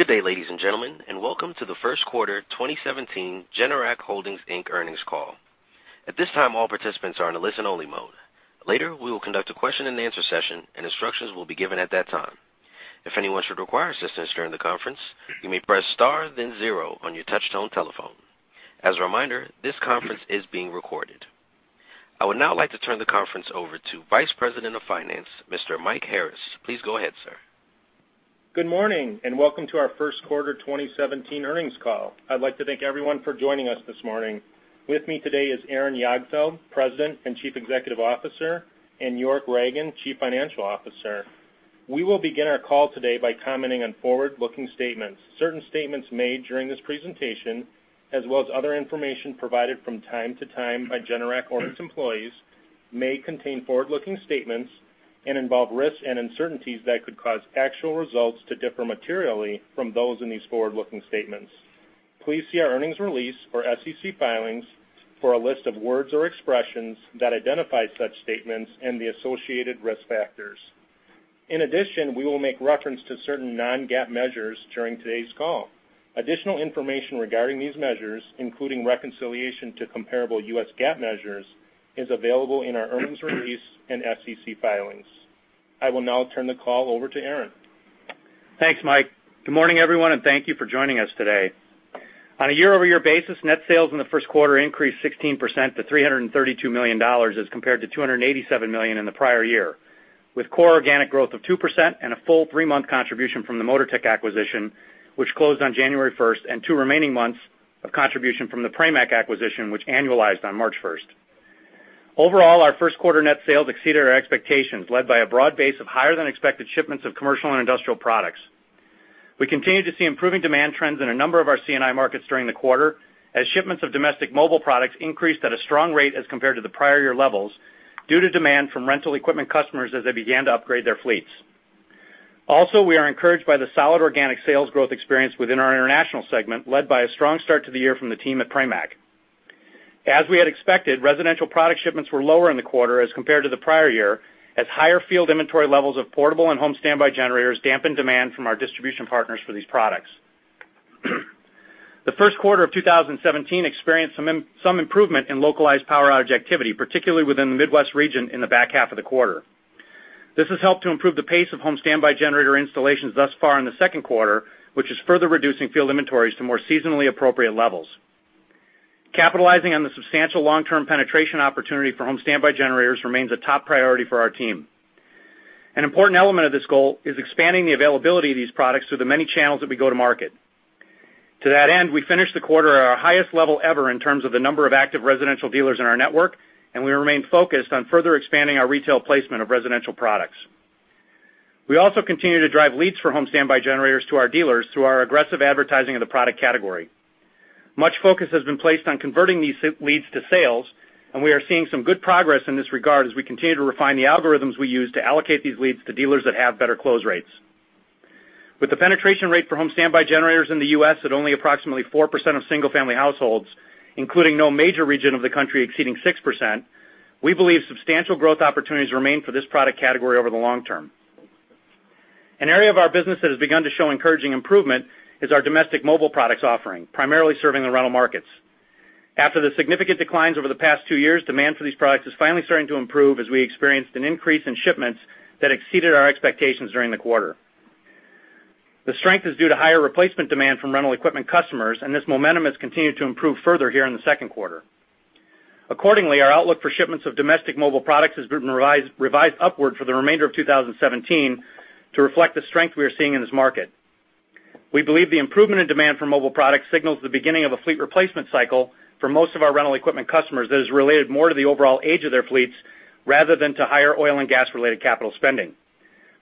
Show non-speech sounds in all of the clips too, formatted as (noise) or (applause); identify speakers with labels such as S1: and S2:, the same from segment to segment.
S1: Good day, ladies and gentlemen. Welcome to the first quarter 2017 Generac Holdings Inc earnings call. At this time, all participants are in a listen-only mode. Later, we will conduct a question-and-answer session. Instructions will be given at that time. If anyone should require assistance during the conference, you may press star then zero on your touch-tone telephone. As a reminder, this conference is being recorded. I would now like to turn the conference over to Vice President of Finance, Mr. Mike Harris. Please go ahead, sir.
S2: Good morning. Welcome to our first quarter 2017 earnings call. I'd like to thank everyone for joining us this morning. With me today is Aaron Jagdfeld, President and Chief Executive Officer, and York Ragen, Chief Financial Officer. We will begin our call today by commenting on forward-looking statements. Certain statements made during this presentation, as well as other information provided from time to time by Generac or its employees, may contain forward-looking statements and involve risks and uncertainties that could cause actual results to differ materially from those in these forward-looking statements. Please see our earnings release or SEC filings for a list of words or expressions that identify such statements and the associated risk factors. In addition, we will make reference to certain non-GAAP measures during today's call. Additional information regarding these measures, including reconciliation to comparable U.S. GAAP measures, is available in our earnings release and SEC filings. I will now turn the call over to Aaron.
S3: Thanks, Mike. Good morning, everyone. Thank you for joining us today. On a year-over-year basis, net sales in the first quarter increased 16% to $332 million as compared to $287 million in the prior year, with core organic growth of 2% and a full three-month contribution from the Motortech acquisition, which closed on January 1st, and two remaining months of contribution from the Pramac acquisition, which annualized on March 1st. Overall, our first quarter net sales exceeded our expectations, led by a broad base of higher-than-expected shipments of commercial and industrial products. We continue to see improving demand trends in a number of our C&I markets during the quarter, as shipments of domestic mobile products increased at a strong rate as compared to the prior year levels due to demand from rental equipment customers as they began to upgrade their fleets. We are encouraged by the solid organic sales growth experience within our international segment, led by a strong start to the year from the team at Pramac. As we had expected, residential product shipments were lower in the quarter as compared to the prior year, as higher field inventory levels of portable and home standby generators dampened demand from our distribution partners for these products. The first quarter of 2017 experienced some improvement in localized power outage activity, particularly within the Midwest region in the back half of the quarter. This has helped to improve the pace of home standby generator installations thus far in the second quarter, which is further reducing field inventories to more seasonally appropriate levels. Capitalizing on the substantial long-term penetration opportunity for home standby generators remains a top priority for our team. An important element of this goal is expanding the availability of these products through the many channels that we go-to-market. To that end, we finished the quarter at our highest level ever in terms of the number of active residential dealers in our network, and we remain focused on further expanding our retail placement of residential products. We also continue to drive leads for home standby generators to our dealers through our aggressive advertising of the product category. Much focus has been placed on converting these leads to sales, and we are seeing some good progress in this regard as we continue to refine the algorithms we use to allocate these leads to dealers that have better close rates. With the penetration rate for home standby generators in the U.S. at only approximately 4% of single-family households, including no major region of the country exceeding 6%, we believe substantial growth opportunities remain for this product category over the long term. An area of our business that has begun to show encouraging improvement is our domestic mobile products offering, primarily serving the rental markets. After the significant declines over the past two years, demand for these products is finally starting to improve as we experienced an increase in shipments that exceeded our expectations during the quarter. The strength is due to higher replacement demand from rental equipment customers, and this momentum has continued to improve further here in the second quarter. Accordingly, our outlook for shipments of domestic mobile products has been revised upward for the remainder of 2017 to reflect the strength we are seeing in this market. We believe the improvement in demand for mobile products signals the beginning of a fleet replacement cycle for most of our rental equipment customers that is related more to the overall age of their fleets rather than to higher oil and gas-related capital spending.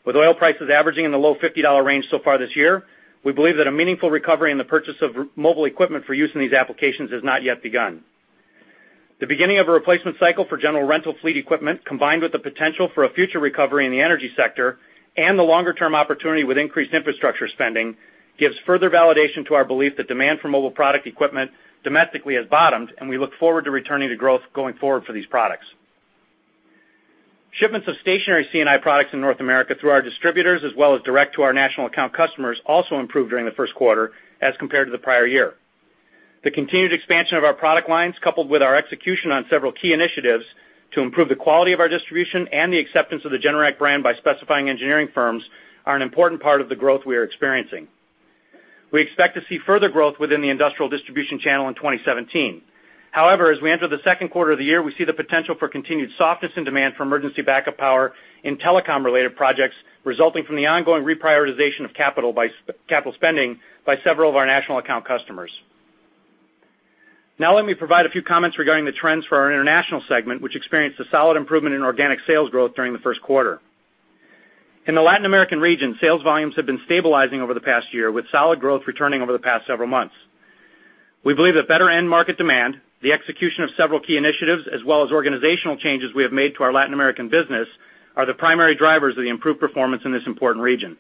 S3: With oil prices averaging in the low $50 range so far this year, we believe that a meaningful recovery in the purchase of mobile equipment for use in these applications has not yet begun. The beginning of a replacement cycle for general rental fleet equipment, combined with the potential for a future recovery in the energy sector and the longer-term opportunity with increased infrastructure spending, gives further validation to our belief that demand for mobile product equipment domestically has bottomed, and we look forward to returning to growth going forward for these products. Shipments of stationary C&I products in North America through our distributors as well as direct to our national account customers also improved during the first quarter as compared to the prior year. The continued expansion of our product lines, coupled with our execution on several key initiatives to improve the quality of our distribution and the acceptance of the Generac brand by specifying engineering firms, are an important part of the growth we are experiencing. We expect to see further growth within the industrial distribution channel in 2017. However, as we enter the second quarter of the year, we see the potential for continued softness in demand for emergency backup power in telecom-related projects, resulting from the ongoing reprioritization of capital spending by several of our national account customers. Let me provide a few comments regarding the trends for our international segment, which experienced a solid improvement in organic sales growth during the first quarter. In the Latin American region, sales volumes have been stabilizing over the past year, with solid growth returning over the past several months. We believe that better end market demand, the execution of several key initiatives, as well as organizational changes we have made to our Latin American business, are the primary drivers of the improved performance in this important region.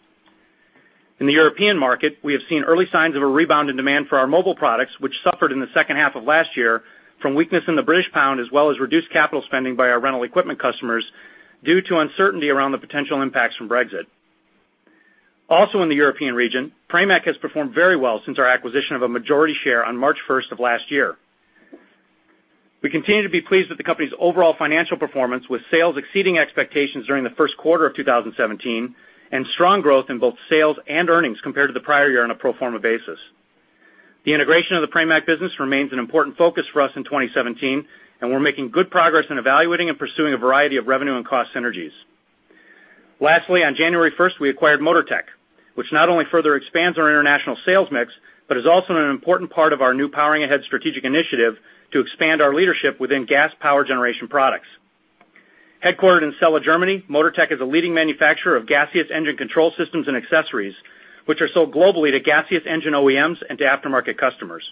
S3: In the European market, we have seen early signs of a rebound in demand for our mobile products, which suffered in the second half of last year from weakness in the British pound as well as reduced capital spending by our rental equipment customers. Due to uncertainty around the potential impacts from Brexit. In the European region, Pramac has performed very well since our acquisition of a majority share on March 1st of last year. We continue to be pleased with the company's overall financial performance, with sales exceeding expectations during the first quarter of 2017, and strong growth in both sales and earnings compared to the prior year on a pro forma basis. The integration of the Pramac business remains an important focus for us in 2017. We're making good progress in evaluating and pursuing a variety of revenue and cost synergies. Lastly, on January 1st, we acquired Motortech, which not only further expands our international sales mix, is also an important part of our new Powering Ahead strategic initiative to expand our leadership within gas power generation products. Headquartered in Celle, Germany, Motortech is a leading manufacturer of gaseous engine control systems and accessories, which are sold globally to gaseous engine OEMs and to aftermarket customers.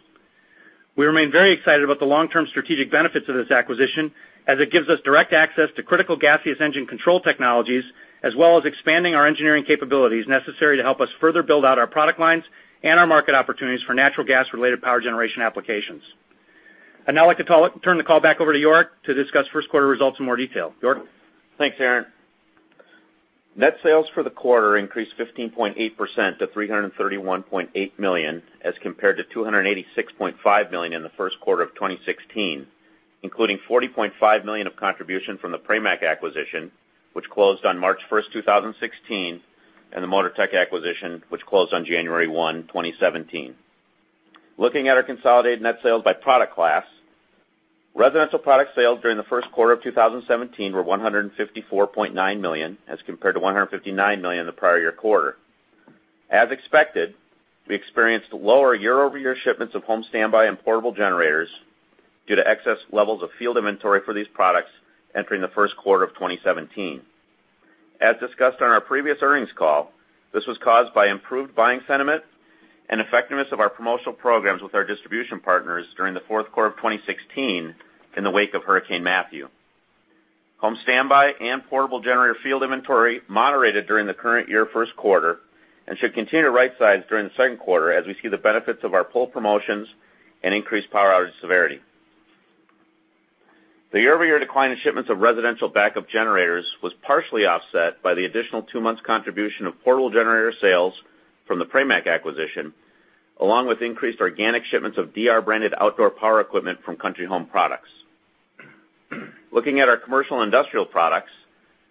S3: We remain very excited about the long-term strategic benefits of this acquisition, as it gives us direct access to critical gaseous engine control technologies, as well as expanding our engineering capabilities necessary to help us further build out our product lines and our market opportunities for natural gas-related power generation applications. I'd now like to turn the call back over to York to discuss first quarter results in more detail. York?
S4: Thanks, Aaron. Net sales for the quarter increased 15.8% to $331.8 million, as compared to $286.5 million in the first quarter of 2016, including $40.5 million of contribution from the Pramac acquisition, which closed on March 1st, 2016, and the Motortech acquisition, which closed on January 1, 2017. Looking at our consolidated net sales by product class, residential product sales during the first quarter of 2017 were $154.9 million as compared to $159 million the prior year quarter. As expected, we experienced lower year-over-year shipments of home standby and portable generators due to excess levels of field inventory for these products entering the first quarter of 2017. As discussed on our previous earnings call, this was caused by improved buying sentiment and effectiveness of our promotional programs with our distribution partners during the fourth quarter of 2016 in the wake of Hurricane Matthew. Home standby and portable generator field inventory moderated during the current year first quarter and should continue to right size during the second quarter as we see the benefits of our pull promotions and increased power outage severity. The year-over-year decline in shipments of residential backup generators was partially offset by the additional two months contribution of portable generator sales from the Pramac acquisition, along with increased organic shipments of DR branded outdoor power equipment from Country Home Products. Looking at our commercial industrial products,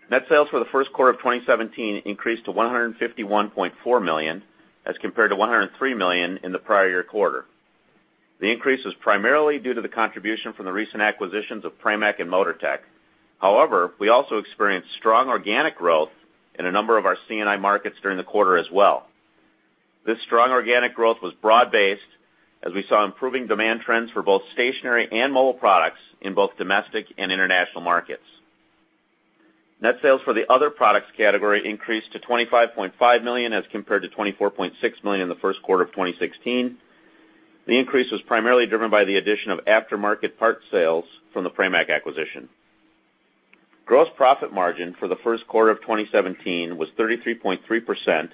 S4: net sales for the first quarter of 2017 increased to $151.4 million as compared to $103 million in the prior year quarter. The increase was primarily due to the contribution from the recent acquisitions of Pramac and Motortech. We also experienced strong organic growth in a number of our C&I markets during the quarter as well. This strong organic growth was broad-based as we saw improving demand trends for both stationary and mobile products in both domestic and international markets. Net sales for the other products category increased to $25.5 million as compared to $24.6 million in the first quarter of 2016. The increase was primarily driven by the addition of aftermarket parts sales from the Pramac acquisition. Gross profit margin for the first quarter of 2017 was 33.3%,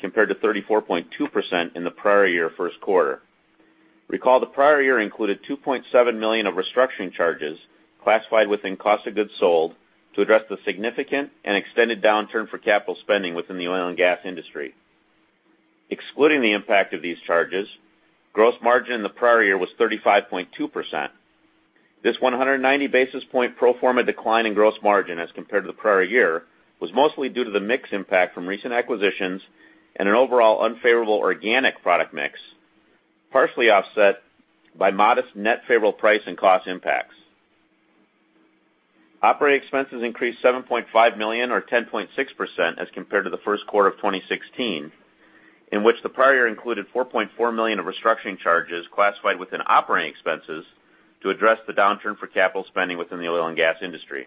S4: compared to 34.2% in the prior year first quarter. The prior year included $2.7 million of restructuring charges classified within cost of goods sold to address the significant and extended downturn for capital spending within the oil and gas industry. Excluding the impact of these charges, gross margin in the prior year was 35.2%. This 190 basis point pro forma decline in gross margin as compared to the prior year, was mostly due to the mix impact from recent acquisitions and an overall unfavorable organic product mix, partially offset by modest net favorable price and cost impacts. Operating expenses increased $7.5 million or 10.6% as compared to the first quarter of 2016, in which the prior year included $4.4 million of restructuring charges classified within operating expenses to address the downturn for capital spending within the oil and gas industry.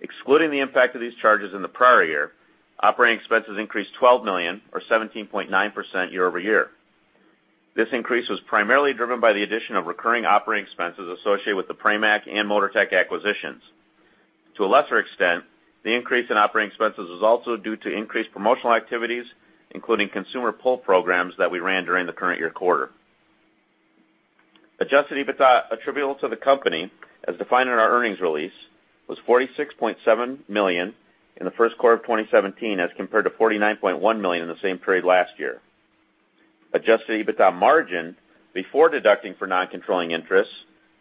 S4: Excluding the impact of these charges in the prior year, operating expenses increased $12 million or 17.9% year-over-year. This increase was primarily driven by the addition of recurring operating expenses associated with the Pramac and Motortech acquisitions. To a lesser extent, the increase in operating expenses was also due to increased promotional activities, including consumer pull programs that we ran during the current year quarter. Adjusted EBITDA attributable to the company, as defined in our earnings release, was $46.7 million in the first quarter of 2017 as compared to $49.1 million in the same period last year. Adjusted EBITDA margin before deducting for non-controlling interests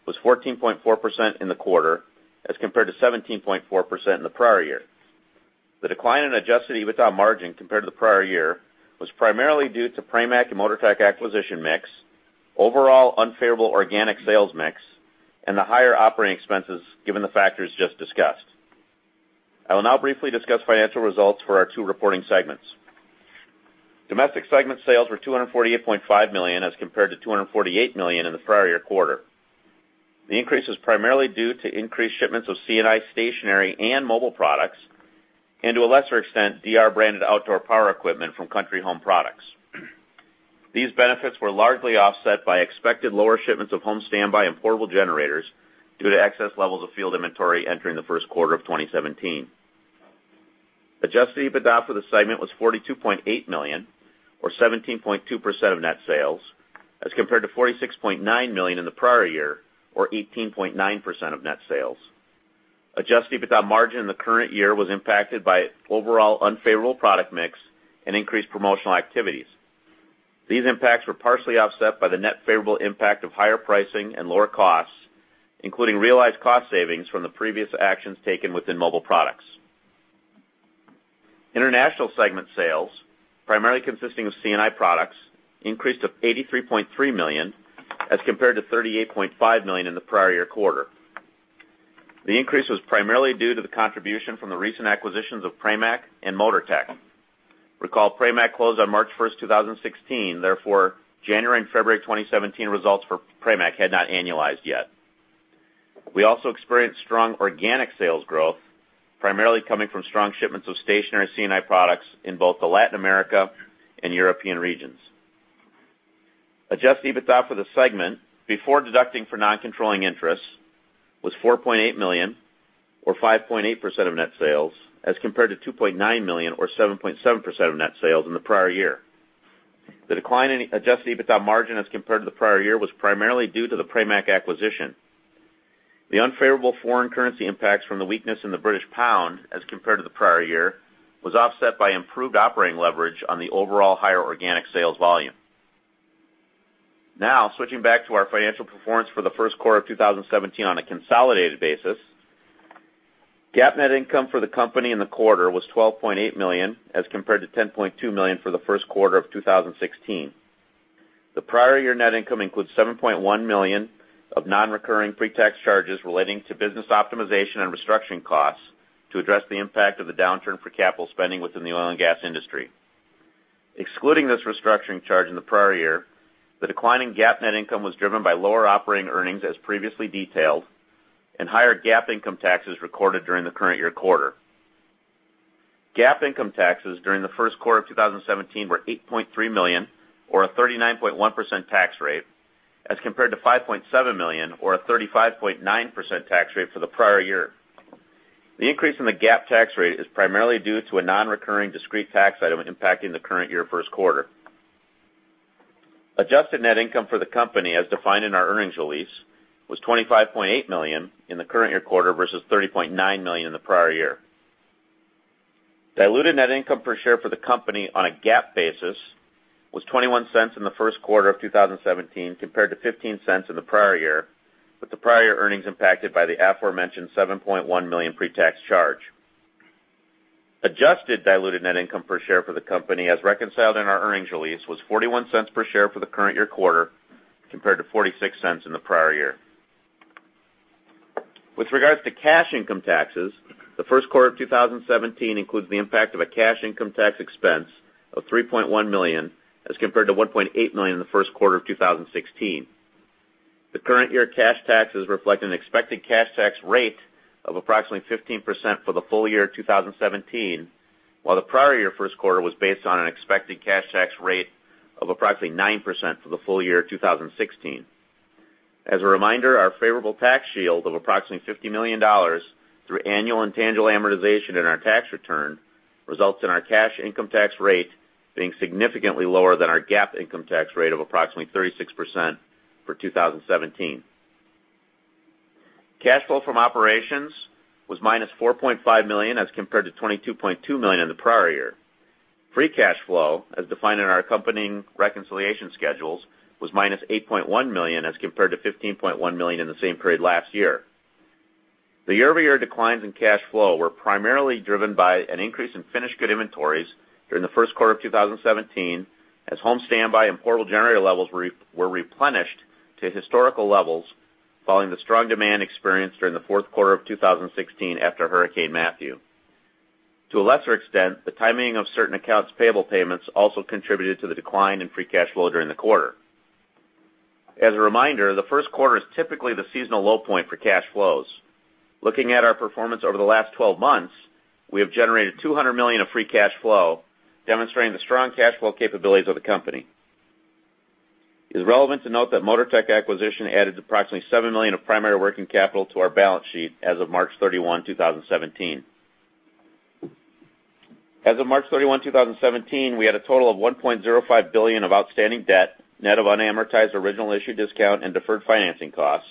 S4: was 14.4% in the quarter as compared to 17.4% in the prior year. The decline in adjusted EBITDA margin compared to the prior year was primarily due to Pramac and Motortech acquisition mix, overall unfavorable organic sales mix, and the higher operating expenses given the factors just discussed. I will now briefly discuss financial results for our two reporting segments. Domestic segment sales were $248.5 million as compared to $248 million in the prior year quarter. The increase was primarily due to increased shipments of C&I stationary and mobile products, and to a lesser extent, DR branded outdoor power equipment from Country Home Products. These benefits were largely offset by expected lower shipments of home standby and portable generators due to excess levels of field inventory entering the first quarter of 2017. Adjusted EBITDA for the segment was $42.8 million, or 17.2% of net sales, as compared to $46.9 million in the prior year, or 18.9% of net sales. Adjusted EBITDA margin in the current year was impacted by overall unfavorable product mix and increased promotional activities. These impacts were partially offset by the net favorable impact of higher pricing and lower costs, including realized cost savings from the previous actions taken within mobile products. International segment sales, primarily consisting of C&I products, increased to $83.3 million as compared to $38.5 million in the prior year quarter. The increase was primarily due to the contribution from the recent acquisitions of Pramac and Motortech. Recall, Pramac closed on March 1st, 2016, therefore, January and February 2017 results for Pramac had not annualized yet. We also experienced strong organic sales growth, primarily coming from strong shipments of stationary C&I products in both the Latin America and European regions. Adjusted EBITDA for the segment, before deducting for non-controlling interests, was $4.8 million, or 5.8% of net sales, as compared to $2.9 million, or 7.7% of net sales in the prior year. The decline in adjusted EBITDA margin as compared to the prior year was primarily due to the Pramac acquisition. The unfavorable foreign currency impacts from the weakness in the British pound as compared to the prior year was offset by improved operating leverage on the overall higher organic sales volume. Switching back to our financial performance for the first quarter of 2017 on a consolidated basis. GAAP net income for the company in the quarter was $12.8 million, as compared to $10.2 million for the first quarter of 2016. The prior year net income includes $7.1 million of non-recurring pre-tax charges relating to business optimization and restructuring costs to address the impact of the downturn for capital spending within the oil and gas industry. Excluding this restructuring charge in the prior year, the decline in GAAP net income was driven by lower operating earnings as previously detailed, and higher GAAP income taxes recorded during the current year quarter. GAAP income taxes during the first quarter of 2017 were $8.3 million or a 39.1% tax rate as compared to $5.7 million or a 35.9% tax rate for the prior year. The increase in the GAAP tax rate is primarily due to a non-recurring discrete tax item impacting the current year first quarter. Adjusted net income for the company, as defined in our earnings release, was $25.8 million in the current year quarter versus $30.9 million in the prior year. Diluted net income per share for the company on a GAAP basis was $0.21 in the first quarter of 2017 compared to $0.15 in the prior year, with the prior year earnings impacted by the aforementioned $7.1 million pre-tax charge. Adjusted diluted net income per share for the company as reconciled in our earnings release was $0.41 per share for the current year quarter, compared to $0.46 in the prior year. With regards to cash income taxes, the first quarter of 2017 includes the impact of a cash income tax expense of $3.1 million as compared to $1.8 million in the first quarter of 2016. The current year cash taxes reflect an expected cash tax rate of approximately 15% for the full year 2017, while the prior year first quarter was based on an expected cash tax rate of approximately 9% for the full year 2016. As a reminder, our favorable tax shield of approximately $50 million through annual intangible amortization in our tax return results in our cash income tax rate being significantly lower than our GAAP income tax rate of approximately 36% for 2017. Cash flow from operations was -$4.5 million as compared to $22.2 million in the prior year. Free cash flow, as defined in our accompanying reconciliation schedules, was -$8.1 million as compared to $15.1 million in the same period last year. The year-over-year declines in cash flow were primarily driven by an increase in finished good inventories during the first quarter of 2017 as home standby generators and portable generators levels were replenished to historical levels following the strong demand experienced during the fourth quarter of 2016 after Hurricane Matthew. To a lesser extent, the timing of certain accounts payable payments also contributed to the decline in free cash flow during the quarter. As a reminder, the first quarter is typically the seasonal low point for cash flows. Looking at our performance over the last 12 months, we have generated $200 million of free cash flow, demonstrating the strong cash flow capabilities of the company. It is relevant to note that Motortech acquisition added approximately $7 million of primary working capital to our balance sheet as of March 31, 2017. As of March 31, 2017, we had a total of $1.05 billion of outstanding debt, net of unamortized original issue discount and deferred financing costs,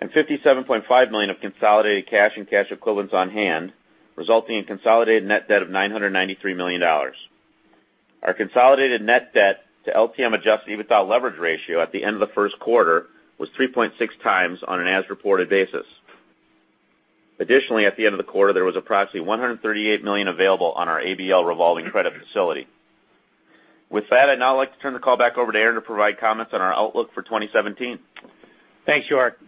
S4: and $57.5 million of consolidated cash and cash equivalents on hand, resulting in consolidated net debt of $993 million. Our consolidated net debt to LTM adjusted EBITDA leverage ratio at the end of the first quarter was 3.6x on an as-reported basis. Additionally, at the end of the quarter, there was approximately $138 million available on our ABL revolving credit facility. With that, I'd now like to turn the call back over to Aaron to provide comments on our outlook for 2017.
S3: Thanks, York.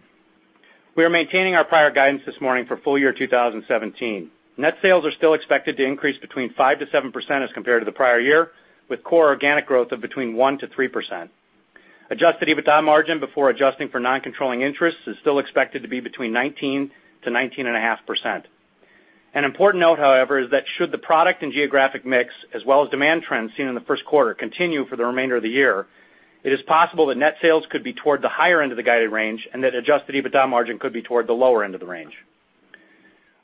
S3: We are maintaining our prior guidance this morning for full year 2017. Net sales are still expected to increase between 5%-7% as compared to the prior year, with core organic growth of between 1%-3%. Adjusted EBITDA margin before adjusting for non-controlling interests is still expected to be between 19%-19.5%. An important note, however, is that should the product and geographic mix, as well as demand trends seen in the first quarter continue for the remainder of the year, it is possible that net sales could be toward the higher end of the guided range, and that adjusted EBITDA margin could be toward the lower end of the range.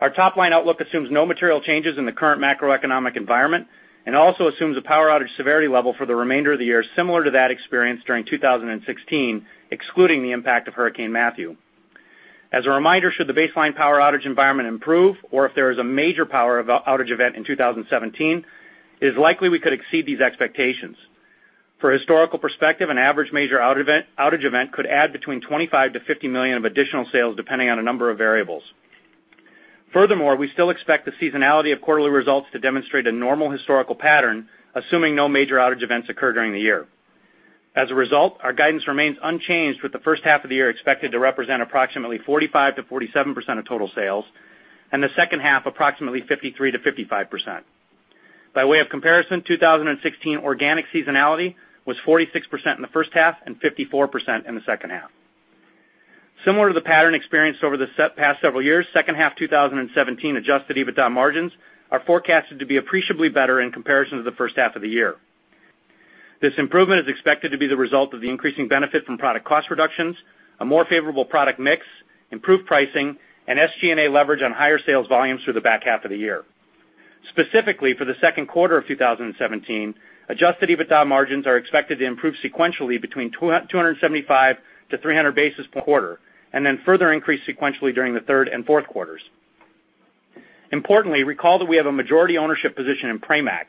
S3: Our top-line outlook assumes no material changes in the current macroeconomic environment and also assumes a power outage severity level for the remainder of the year, similar to that experienced during 2016, excluding the impact of Hurricane Matthew. As a reminder, should the baseline power outage environment improve or if there is a major power outage event in 2017, it is likely we could exceed these expectations. For historical perspective, an average major outage event could add between $25 million-$50 million of additional sales, depending on a number of variables. We still expect the seasonality of quarterly results to demonstrate a normal historical pattern, assuming no major outage events occur during the year. Our guidance remains unchanged, with the first half of the year expected to represent approximately 45%-47% of total sales, and the second half approximately 53%-55%. By way of comparison, 2016 organic seasonality was 46% in the first half and 54% in the second half. Similar to the pattern experienced over the past several years, second half 2017 adjusted EBITDA margins are forecasted to be appreciably better in comparison to the first half of the year. This improvement is expected to be the result of the increasing benefit from product cost reductions, a more favorable product mix, improved pricing, and SG&A leverage on higher sales volumes through the back half of the year. Specifically for the second quarter of 2017, adjusted EBITDA margins are expected to improve sequentially between 275-300 basis points per quarter, further increase sequentially during the third and fourth quarters. Recall that we have a majority ownership position in Pramac,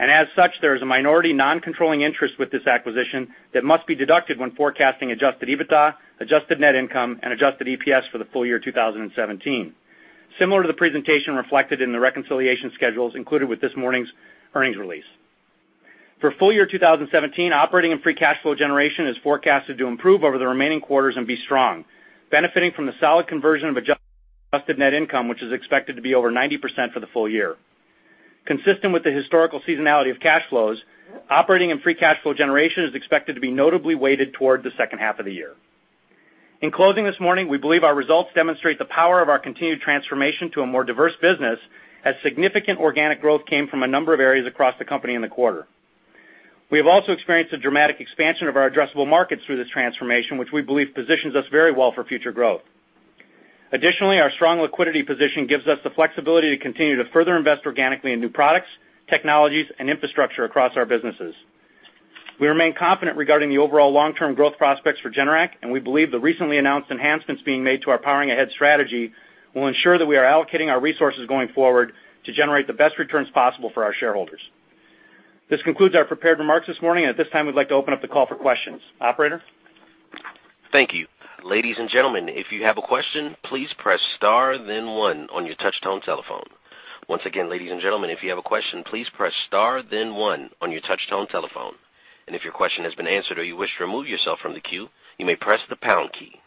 S3: and as such, there is a minority non-controlling interest with this acquisition that must be deducted when forecasting adjusted EBITDA, adjusted net income, and adjusted EPS for the full year 2017. Similar to the presentation reflected in the reconciliation schedules included with this morning's earnings release. For full year 2017, operating and free cash flow generation is forecasted to improve over the remaining quarters and be strong, benefiting from the solid conversion of adjusted net income, which is expected to be over 90% for the full year. Consistent with the historical seasonality of cash flows, operating and free cash flow generation is expected to be notably weighted toward the second half of the year. In closing this morning, we believe our results demonstrate the power of our continued transformation to a more diverse business, as significant organic growth came from a number of areas across the company in the quarter. We have also experienced a dramatic expansion of our addressable markets through this transformation, which we believe positions us very well for future growth. Additionally, our strong liquidity position gives us the flexibility to continue to further invest organically in new products, technologies, and infrastructure across our businesses. We remain confident regarding the overall long-term growth prospects for Generac, and we believe the recently announced enhancements being made to our Powering Ahead strategy will ensure that we are allocating our resources going forward to generate the best returns possible for our shareholders. This concludes our prepared remarks this morning, and at this time, we'd like to open up the call for questions. Operator?
S1: Thank you. Ladies and gentlemen, if you have a question, please press star then one on your touch-tone telephone. Once again, ladies and gentlemen, if you have a question, please press star then one on your touch-tone telephone. If your question has been answered or you wish to remove yourself from the queue, you may press the pound key.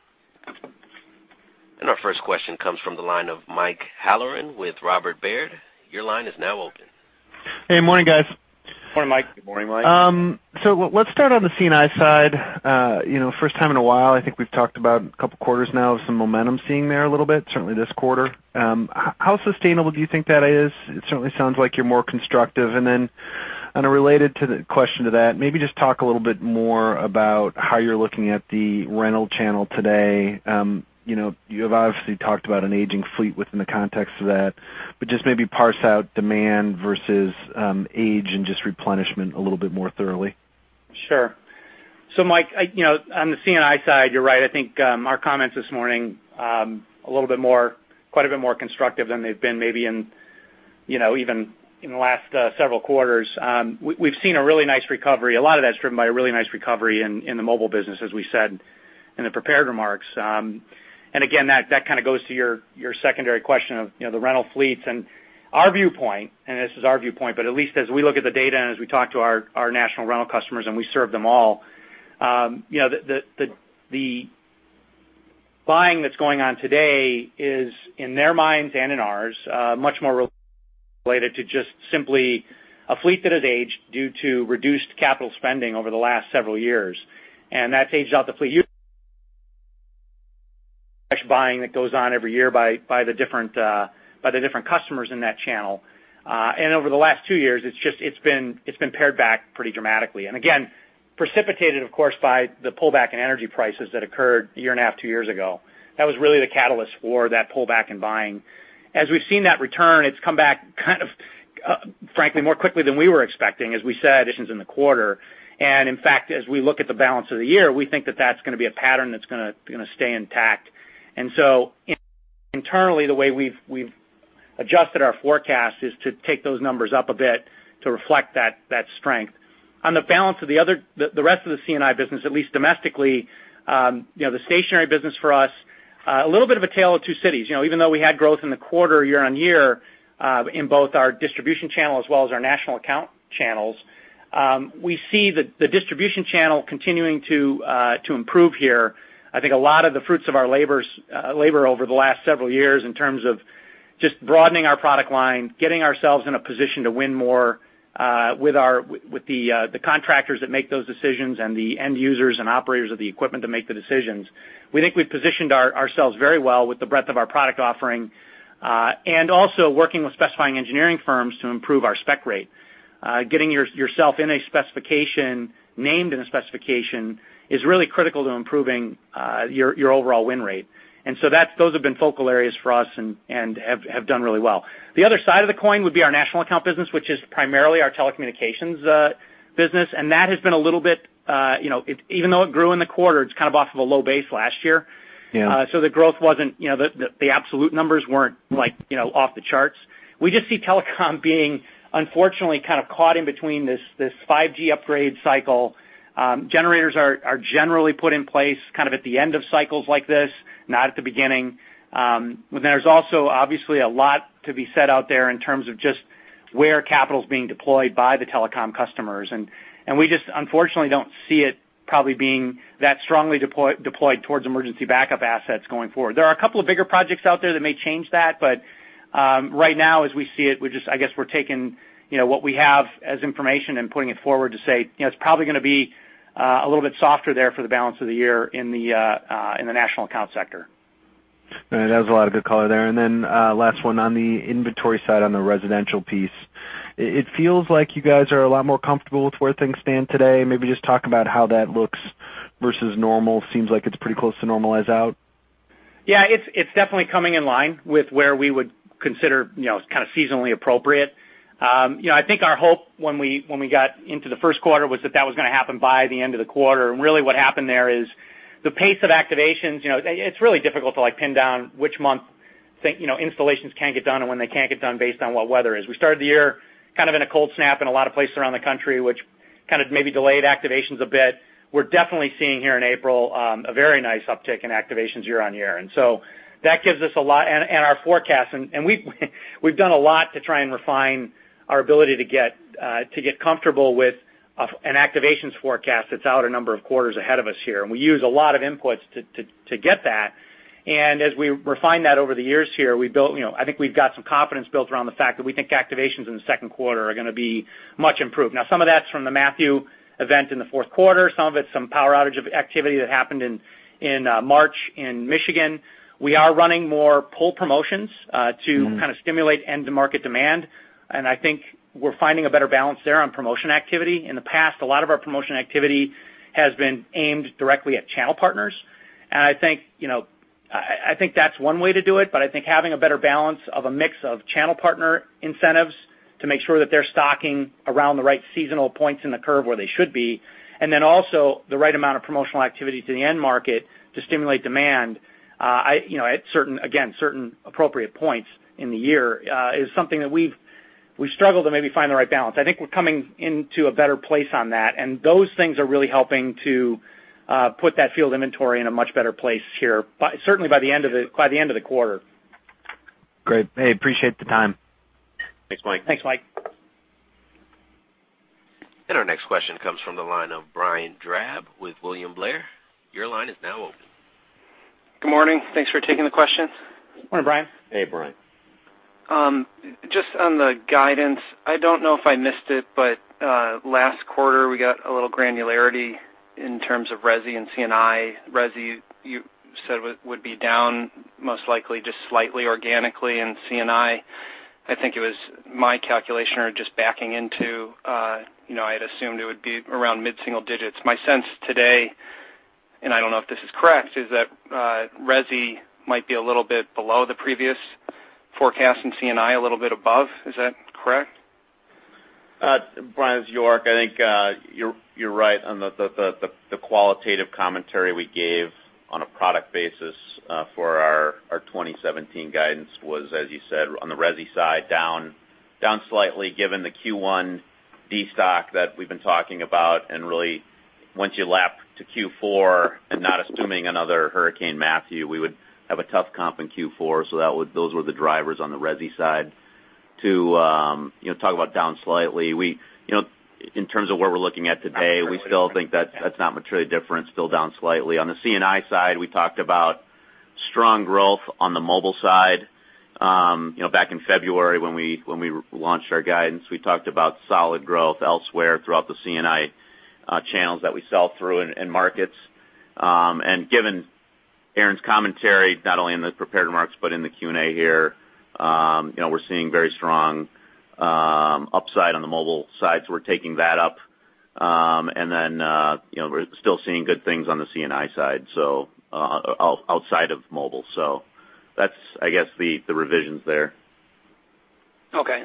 S1: Our first question comes from the line of Mike Halloran with Robert Baird. Your line is now open.
S5: Hey, morning, guys.
S3: Morning, Mike.
S4: Good morning, Mike.
S5: Let's start on the C&I side. First time in a while, I think we've talked about a couple of quarters now of some momentum seen there a little bit, certainly this quarter. How sustainable do you think that is? It certainly sounds like you're more constructive. On a related question to that, maybe just talk a little bit more about how you're looking at the rental channel today. You have obviously talked about an aging fleet within the context of that, but just maybe parse out demand versus age and just replenishment a little bit more thoroughly.
S3: Sure. Mike, on the C&I side, you're right. I think our comments this morning, quite a bit more constructive than they've been maybe in even in the last several quarters. We've seen a really nice recovery. A lot of that's driven by a really nice recovery in the mobile business, as we said in the prepared remarks. Again, that kind of goes to your secondary question of the rental fleets. Our viewpoint, and this is our viewpoint, but at least as we look at the data and as we talk to our national rental customers, and we serve them all, the buying that's going on today is, in their minds and in ours, much more related to just simply a fleet that has aged due to reduced capital spending over the last several years. That's aged out the fleet. Fresh buying that goes on every year by the different customers in that channel. Over the last two years, it's been pared back pretty dramatically. Again, precipitated, of course, by the pullback in energy prices that occurred a year and a half, two years ago. That was really the catalyst for that pullback in buying. As we've seen that return, it's come back kind of, frankly, more quickly than we were expecting, as we said, in the quarter. In fact, as we look at the balance of the year, we think that that's going to be a pattern that's going to stay intact. Internally, the way we've adjusted our forecast is to take those numbers up a bit to reflect that strength. On the balance of the rest of the C&I business, at least domestically, the stationary business for us, a little bit of a tale of two cities. Even though we had growth in the quarter year-over-year in both our distribution channel as well as our national account channels, we see the distribution channel continuing to improve here. I think a lot of the fruits of our labor over the last several years in terms of just broadening our product line, getting ourselves in a position to win more with the contractors that make those decisions and the end users and operators of the equipment to make the decisions. We think we've positioned ourselves very well with the breadth of our product offering, also working with specifying engineering firms to improve our spec rate. Getting yourself in a specification, named in a specification, is really critical to improving your overall win rate. Those have been focal areas for us and have done really well. The other side of the coin would be our national account business, which is primarily our telecommunications business. That has been a little bit, even though it grew in the quarter, it's kind of off of a low base last year.
S5: Yeah.
S3: The growth wasn't. The absolute numbers weren't off the charts. We just see telecom being unfortunately kind of caught in between this 5G upgrade cycle. Generators are generally put in place kind of at the end of cycles like this, not at the beginning. There's also obviously a lot to be said out there in terms of just where capital's being deployed by the telecom customers. We just unfortunately don't see it probably being that strongly deployed towards emergency backup assets going forward. There are a couple of bigger projects out there that may change that, but right now as we see it, I guess we're taking what we have as information and putting it forward to say, it's probably going to be a little bit softer there for the balance of the year in the national account sector.
S5: That was a lot of good color there. Last one on the inventory side, on the residential piece. It feels like you guys are a lot more comfortable with where things stand today. Maybe just talk about how that looks versus normal. Seems like it's pretty close to normalize out.
S3: Yeah, it's definitely coming in line with where we would consider kind of seasonally appropriate. I think our hope when we got into the first quarter was that was going to happen by the end of the quarter. Really what happened there is the pace of activations, it's really difficult to pin down which month installations can get done and when they can't get done based on what weather is. We started the year kind of in a cold snap in a lot of places around the country, which kind of maybe delayed activations a bit. We're definitely seeing here in April a very nice uptick in activations year-over-year. So that gives us a lot and our forecast, and we've done a lot to try and refine our ability to get comfortable with an activations forecast that's out a number of quarters ahead of us here. We use a lot of inputs to get that. As we refine that over the years here, I think we've got some confidence built around the fact that we think activations in the second quarter are going to be much improved. Now, some of that's from the Hurricane Matthew event in the fourth quarter. Some of it's some power outage activity that happened in March in Michigan. We are running more pull promotions to kind of stimulate end market demand. I think we're finding a better balance there on promotion activity. In the past, a lot of our promotion activity has been aimed directly at channel partners. I think that's one way to do it, but I think having a better balance of a mix of channel partner incentives to make sure that they're stocking around the right seasonal points in the curve where they should be, then also the right amount of promotional activity to the end market to stimulate demand, again, certain appropriate points in the year, is something that we've struggled to maybe find the right balance. I think we're coming into a better place on that, and those things are really helping to put that field inventory in a much better place here certainly by the end of the quarter.
S5: Great. Hey, appreciate the time.
S3: Thanks, Mike.
S4: Thanks, Mike.
S1: Our next question comes from the line of Brian Drab with William Blair. Your line is now open.
S6: Good morning. Thanks for taking the questions.
S3: Morning, Brian.
S4: Hey, Brian.
S6: Just on the guidance, I don't know if I missed it, but last quarter we got a little granularity in terms of resi and C&I. Resi you said would be down most likely just slightly organically. C&I think it was my calculation or just backing into I had assumed it would be around mid-single digits. My sense today, I don't know if this is correct, is that resi might be a little bit below the previous forecast and C&I a little bit above. Is that correct?
S4: Brian, it's York. I think you're right on the qualitative commentary we gave on a product basis for our 2017 guidance was, as you said, on the resi side, down slightly given the Q1 destock that we've been talking about. Really once you lap to Q4 and not assuming another Hurricane Matthew, we would have a tough comp in Q4, so those were the drivers on the resi side to talk about down slightly. In terms of where we're looking at today, we still think that's not materially different, still down slightly. On the C&I side, we talked about strong growth on the mobile side. Back in February when we launched our guidance, we talked about solid growth elsewhere throughout the C&I channels that we sell through and markets. Given Aaron's commentary, not only in the prepared remarks, but in the Q&A here, we're seeing very strong upside on the mobile side, so we're taking that up. We're still seeing good things on the C&I side, so outside of mobile. That's, I guess, the revisions there.
S6: Okay.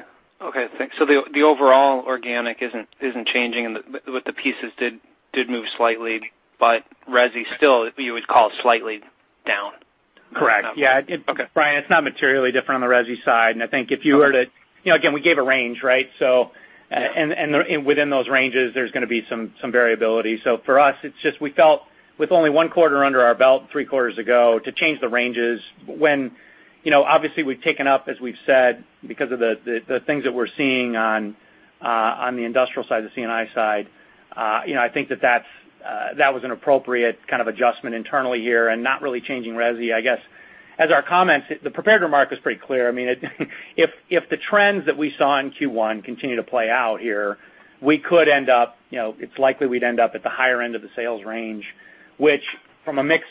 S6: Thanks. The overall organic isn't changing, but the pieces did move slightly, but resi still you would call slightly down.
S3: Correct. Yeah.
S6: Okay.
S3: Brian, it's not materially different on the resi side. I think if you were to again, we gave a range, right? Within those ranges, there's going to be some variability. For us, it's just we felt with only one quarter under our belt, three quarters ago, to change the ranges when obviously we've taken up, as we've said, because of the things that we're seeing on the industrial side, the C&I side, I think that was an appropriate kind of adjustment internally here and not really changing resi. I guess, as our comments, the prepared remark was pretty clear. I mean, if the trends that we saw in Q1 continue to play out here. We could end up, it's likely we'd end up at the higher end of the sales range, which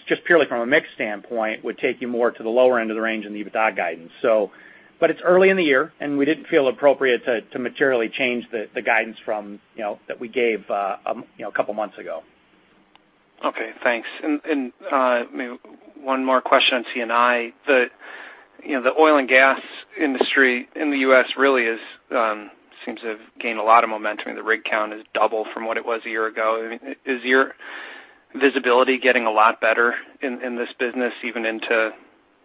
S3: just purely from a mix standpoint, would take you more to the lower end of the range in the EBITDA guidance. It's early in the year, and we didn't feel appropriate to materially change the guidance that we gave a couple of months ago.
S6: Okay, thanks. Maybe one more question on C&I. The oil and gas industry in the U.S. really seems to have gained a lot of momentum. The rig count is double from what it was a year ago. Is your visibility getting a lot better in this business, even into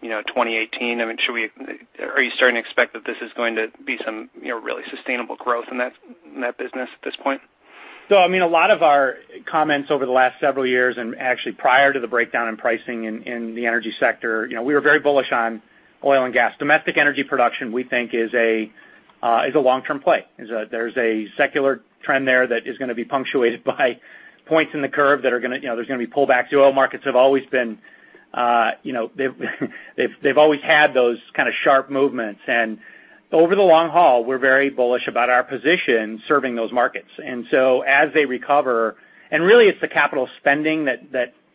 S6: 2018? Are you starting to expect that this is going to be some really sustainable growth in that business at this point?
S3: A lot of our comments over the last several years, and actually prior to the breakdown in pricing in the energy sector, we were very bullish on oil and gas. Domestic energy production, we think, is a long-term play. There's a secular trend there that is going to be punctuated by points in the curve that there's going to be pullbacks. Oil markets have always had those kind of sharp movements. Over the long haul, we're very bullish about our position serving those markets. As they recover, and really it's the capital spending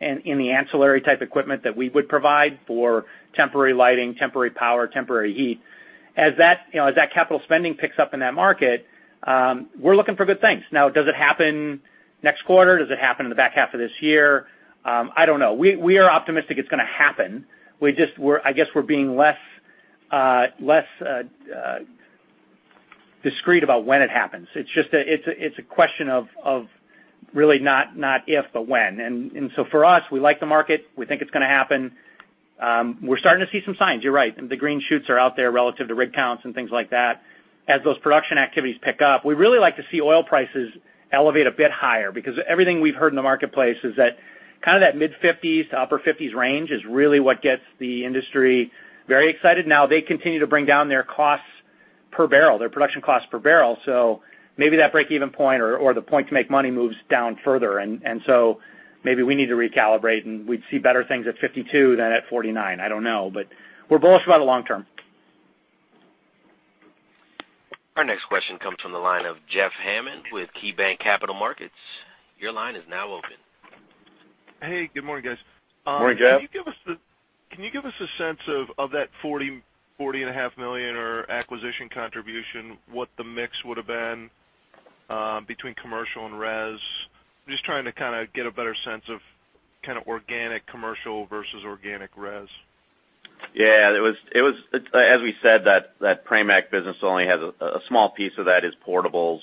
S3: in the ancillary type equipment that we would provide for temporary lighting, temporary power, temporary heat. As that capital spending picks up in that market, we're looking for good things. Now, does it happen next quarter? Does it happen in the back half of this year? I don't know. We are optimistic it's going to happen. I guess we're being less discreet about when it happens. It's a question of really not if, but when. For us, we like the market. We think it's going to happen. We're starting to see some signs, you're right. The green shoots are out there relative to rig counts and things like that. As those production activities pick up, we really like to see oil prices elevate a bit higher because everything we've heard in the marketplace is that mid-50s to upper 50s range is really what gets the industry very excited. Now, they continue to bring down their production costs per barrel. Maybe that breakeven point or the point to make money moves down further, and so maybe we need to recalibrate, and we'd see better things at $52 than at $49. I don't know. We're bullish about the long term.
S1: Our next question comes from the line of Jeff Hammond with KeyBanc Capital Markets. Your line is now open.
S7: Hey, good morning, guys.
S3: Good morning, Jeff.
S7: Can you give us a sense of that $40.5 million or acquisition contribution, what the mix would've been between commercial and res? Just trying to kind of get a better sense of kind of organic commercial versus organic res.
S4: Yeah. As we said, that Pramac business only has a small piece of that is portables.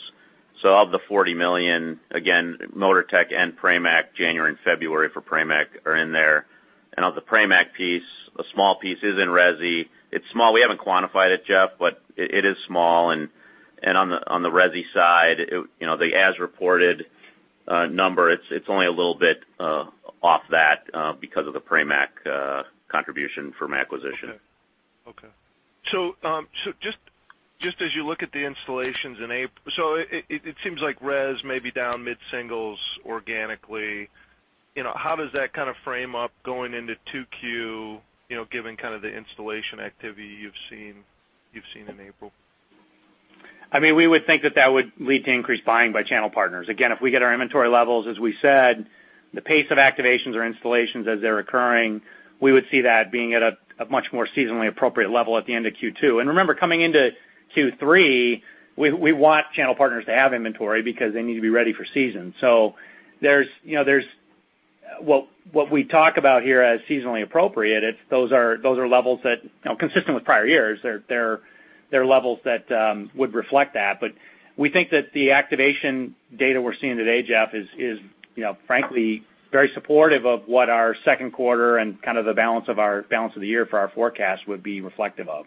S4: Of the $40 million, again, Motortech and Pramac, January and February for Pramac, are in there. Of the Pramac piece, a small piece is in resi. It's small. We haven't quantified it, Jeff, but it is small. On the resi side, the as-reported number, it's only a little bit off that because of the Pramac contribution from acquisition.
S7: Okay. Just as you look at the installations in, it seems like res may be down mid-singles organically. How does that kind of frame up going into 2Q, given kind of the installation activity you've seen in April?
S3: We would think that that would lead to increased buying by channel partners. Again, if we get our inventory levels, as we said, the pace of activations or installations as they're occurring, we would see that being at a much more seasonally appropriate level at the end of Q2. Remember, coming into Q3, we want channel partners to have inventory because they need to be ready for season. What we talk about here as seasonally appropriate, those are levels that, consistent with prior years, they're levels that would reflect that. We think that the activation data we're seeing today, Jeff, is frankly very supportive of what our second quarter and kind of the balance of the year for our forecast would be reflective of.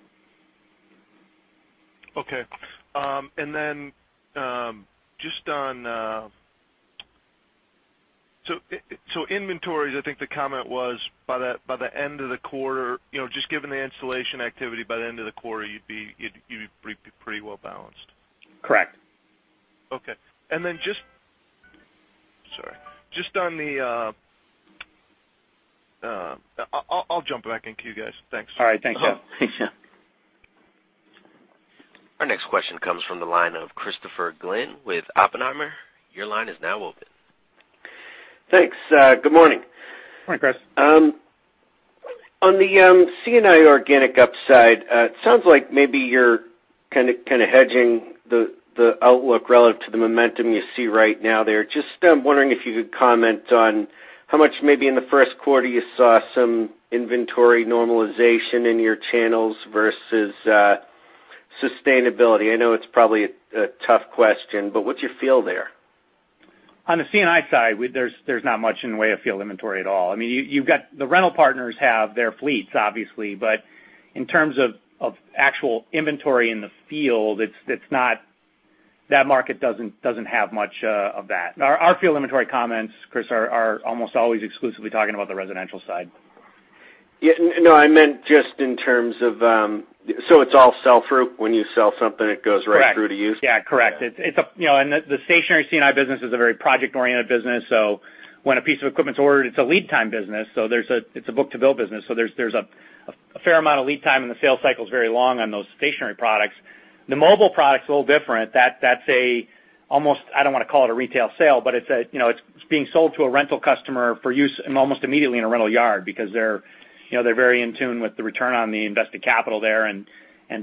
S7: Inventories, I think the comment was by the end of the quarter, just given the installation activity, by the end of the quarter, you'd be pretty well balanced.
S3: Correct.
S7: Okay. Just Sorry. I'll jump back into you guys. Thanks.
S3: All right, thanks, Jeff.
S4: Thanks, Jeff.
S1: Our next question comes from the line of Christopher Glynn with Oppenheimer. Your line is now open.
S8: Thanks. Good morning.
S3: Morning, Chris.
S8: On the C&I organic upside, it sounds like maybe you're kind of hedging the outlook relative to the momentum you see right now there. Just wondering if you could comment on how much maybe in the first quarter you saw some inventory normalization in your channels versus sustainability. I know it's probably a tough question, but what's your feel there?
S3: On the C&I side, there's not much in the way of field inventory at all. The rental partners have their fleets, obviously. In terms of actual inventory in the field, that market doesn't have much of that. Our field inventory comments, Chris, are almost always exclusively talking about the residential side.
S8: No, I meant just in terms of, it's all sell-through. When you sell something, it goes right through to you?
S3: Yeah, correct. The stationary C&I business is a very project-oriented business. When a piece of equipment's ordered, it's a lead-time business. It's a book-to-bill business. There's a fair amount of lead time and the sales cycle is very long on those stationary products. The mobile product's a little different. That's almost, I don't want to call it a retail sale, but it's being sold to a rental customer for use almost immediately in a rental yard because they're very in tune with the return on the invested capital there, and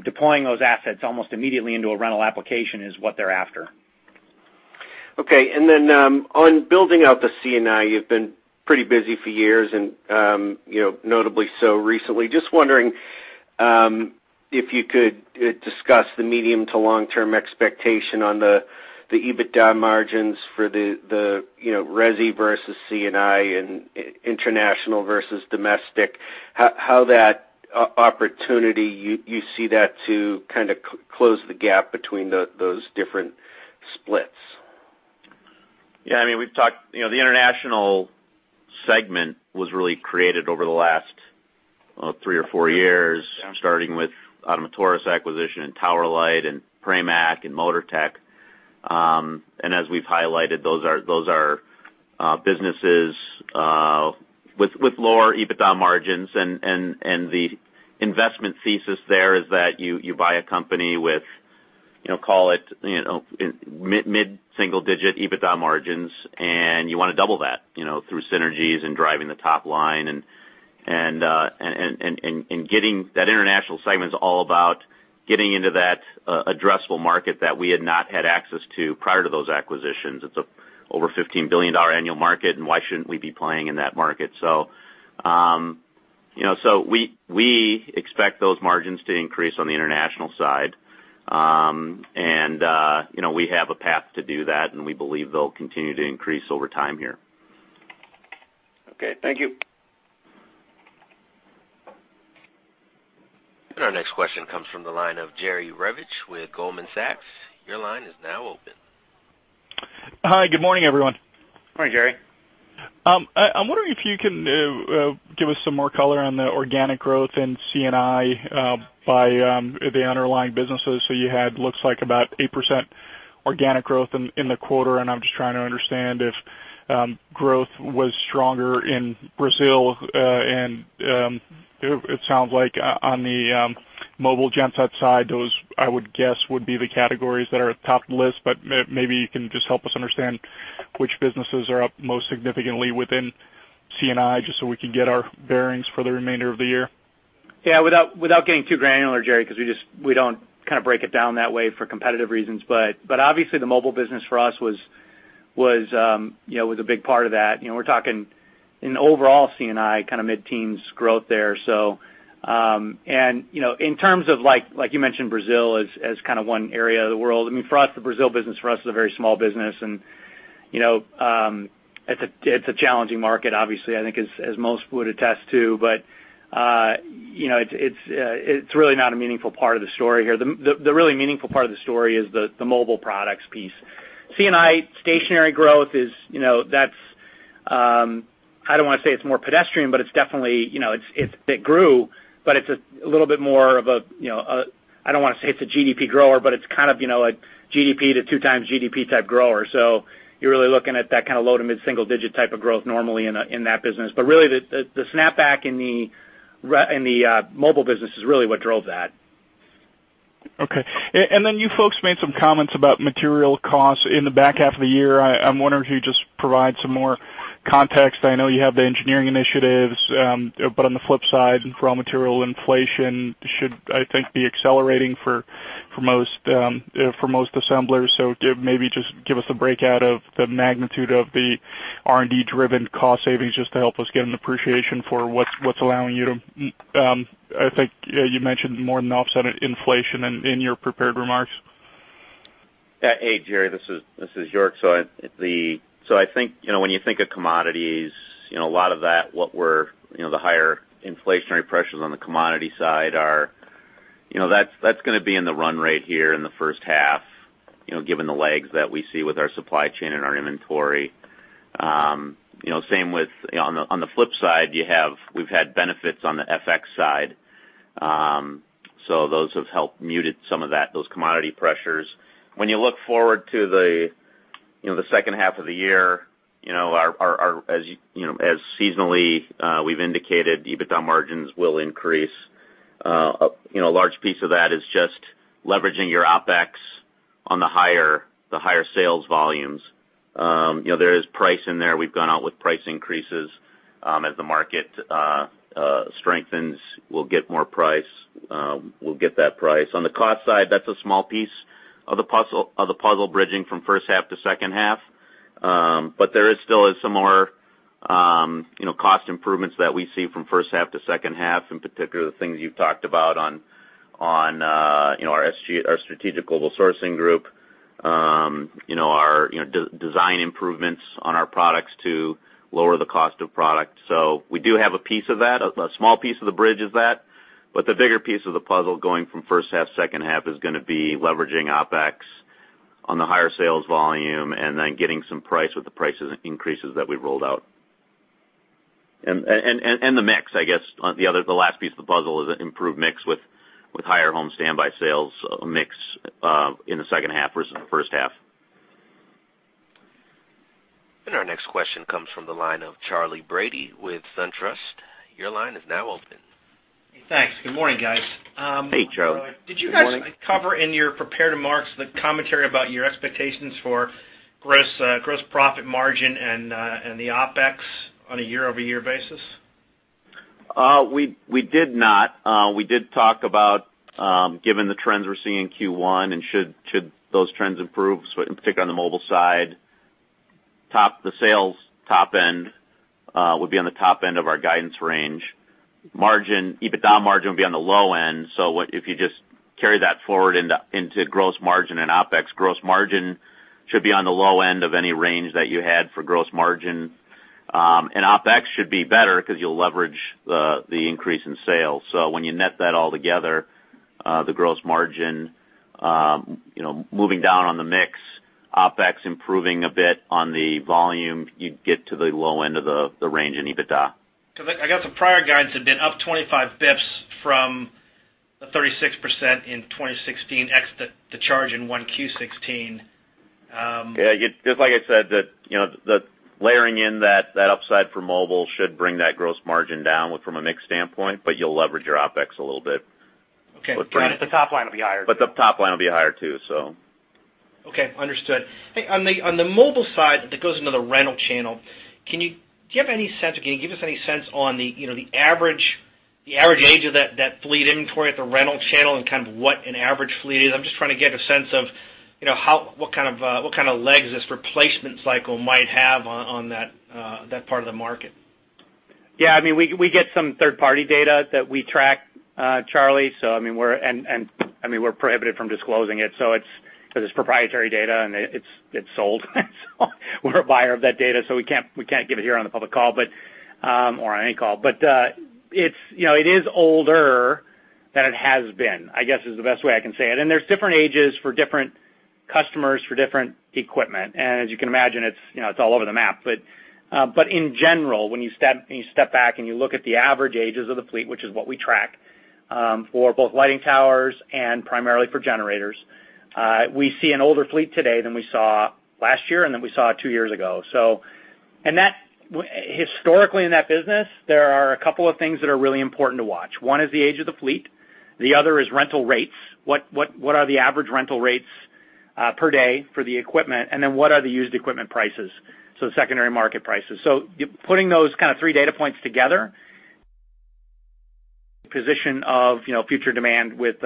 S3: deploying those assets almost immediately into a rental application is what they're after.
S8: Okay, on building out the C&I, you've been pretty busy for years and notably so recently. Just wondering if you could discuss the medium to long-term expectation on the EBITDA margins for the resi versus C&I and international versus domestic, how that opportunity you see that to kind of close the gap between those different splits.
S4: Yeah, the International segment was really created over the last three or four years, starting with Ottomotores acquisition and Tower Light and Pramac and Motortech. As we've highlighted, those are businesses with lower EBITDA margins, the investment thesis there is that you buy a company with call it mid-single digit EBITDA margins, you want to double that through synergies and driving the top line. That international segment is all about getting into that addressable market that we had not had access to prior to those acquisitions. It's an over $15 billion annual market, why shouldn't we be playing in that market? We expect those margins to increase on the international side. We have a path to do that, and we believe they'll continue to increase over time here.
S8: Okay. Thank you.
S1: Our next question comes from the line of Jerry Revich with Goldman Sachs. Your line is now open.
S9: Hi, good morning, everyone.
S4: Morning, Jerry.
S9: I'm wondering if you can give us some more color on the organic growth in C&I by the underlying businesses. You had looks like about 8% organic growth in the quarter, and I'm just trying to understand if growth was stronger in Brazil. It sounds like on the mobile genset side, those, I would guess, would be the categories that are top of the list, but maybe you can just help us understand which businesses are up most significantly within C&I, just so we can get our bearings for the remainder of the year.
S3: Without getting too granular, Jerry, because we don't kind of break it down that way for competitive reasons, obviously the mobile business for us was a big part of that. We're talking in overall C&I kind of mid-teens growth there. In terms of like you mentioned, Brazil as kind of one area of the world, for us, the Brazil business for us is a very small business and it's a challenging market obviously, I think as most would attest to. It's really not a meaningful part of the story here. The really meaningful part of the story is the mobile products piece. C&I stationary growth is, I don't want to say it's more pedestrian, but it's definitely it grew, but it's a little bit more of a, I don't want to say it's a GDP grower, but it's kind of a GDP to two times GDP type grower. You're really looking at that kind of low to mid-single digit type of growth normally in that business. Really, the snapback in the mobile business is really what drove that.
S9: Okay, then you folks made some comments about material costs in the back half of the year. I'm wondering if you could just provide some more context. I know you have the engineering initiatives, but on the flip side, raw material inflation should, I think, be accelerating for most assemblers. Maybe just give us a breakout of the magnitude of the R&D-driven cost savings just to help us get an appreciation for what's allowing you to. I think you mentioned more than offset inflation in your prepared remarks.
S4: Hey, Jerry, this is York. I think when you think of commodities, a lot of that, what we're the higher inflationary pressures on the commodity side are, that's going to be in the run rate here in the first half given the lags that we see with our supply chain and our inventory. Same with on the flip side, we've had benefits on the FX side. Those have helped muted some of those commodity pressures. When you look forward to the second half of the year, as seasonally we've indicated EBITDA margins will increase. A large piece of that is just leveraging your OpEx on the higher sales volumes. There is price in there. We've gone out with price increases. As the market strengthens, we'll get more price. We'll get that price. On the cost side, that's a small piece of the puzzle bridging from first half to second half. There is still some more cost improvements that we see from first half to second half, in particular, the things you've talked about on our strategic global sourcing group, our design improvements on our products to lower the cost of product. We do have a piece of that. A small piece of the bridge is that. The bigger piece of the puzzle going from first half, second half is going to be leveraging OpEx on the higher sales volume and getting some price with the prices increases that we rolled out. The mix, I guess, the last piece of the puzzle is improved mix with higher home standby sales mix in the second half versus the first half.
S1: Next question comes from the line of Charley Brady with SunTrust. Your line is now open.
S10: Hey, thanks. Good morning, guys.
S3: Hey, Charley. Good morning.
S10: Did you guys cover in your prepared remarks the commentary about your expectations for gross profit margin and the OpEx on a year-over-year basis?
S4: We did not. We did talk about given the trends we're seeing in Q1, should those trends improve, in particular on the mobile side, the sales top end will be on the top end of our guidance range. EBITDA margin will be on the low end. If you just carry that forward into gross margin and OpEx, gross margin should be on the low end of any range that you had for gross margin. OpEx should be better because you'll leverage the increase in sales. When you net that all together, the gross margin, moving down on the mix, OpEx improving a bit on the volume, you'd get to the low end of the range in EBITDA.
S10: I got the prior guidance had been up 25 basis points from the 36% in 2016, ex the charge in 1Q 2016.
S4: Yeah, just like I said, the layering in that upside for mobile should bring that gross margin down from a mix standpoint, but you'll leverage your OpEx a little bit.
S10: Okay. The top line will be higher.
S4: The top line will be higher, too.
S10: Okay. Understood. Hey, on the mobile side, that goes into the rental channel. Can you give us any sense on the average age of that fleet inventory at the rental channel and kind of what an average fleet is? I'm just trying to get a sense of what kind of legs this replacement cycle might have on that part of the market.
S3: Yeah, we get some third-party data that we track, Charley. We're prohibited from disclosing it because it's proprietary data, and it's sold. We're a buyer of that data, so we can't give it here on the public call or on any call. It is older than it has been, I guess, is the best way I can say it. There's different ages for different customers, for different equipment. As you can imagine, it's all over the map. In general, when you step back and you look at the average ages of the fleet, which is what we track, for both lighting towers and primarily for generators, we see an older fleet today than we saw last year and than we saw two years ago. Historically, in that business, there are a couple of things that are really important to watch. One is the age of the fleet. The other is rental rates. What are the average rental rates per day for the equipment, and then what are the used equipment prices? The secondary market prices. Putting those kind of 3 data points together, position of future demand with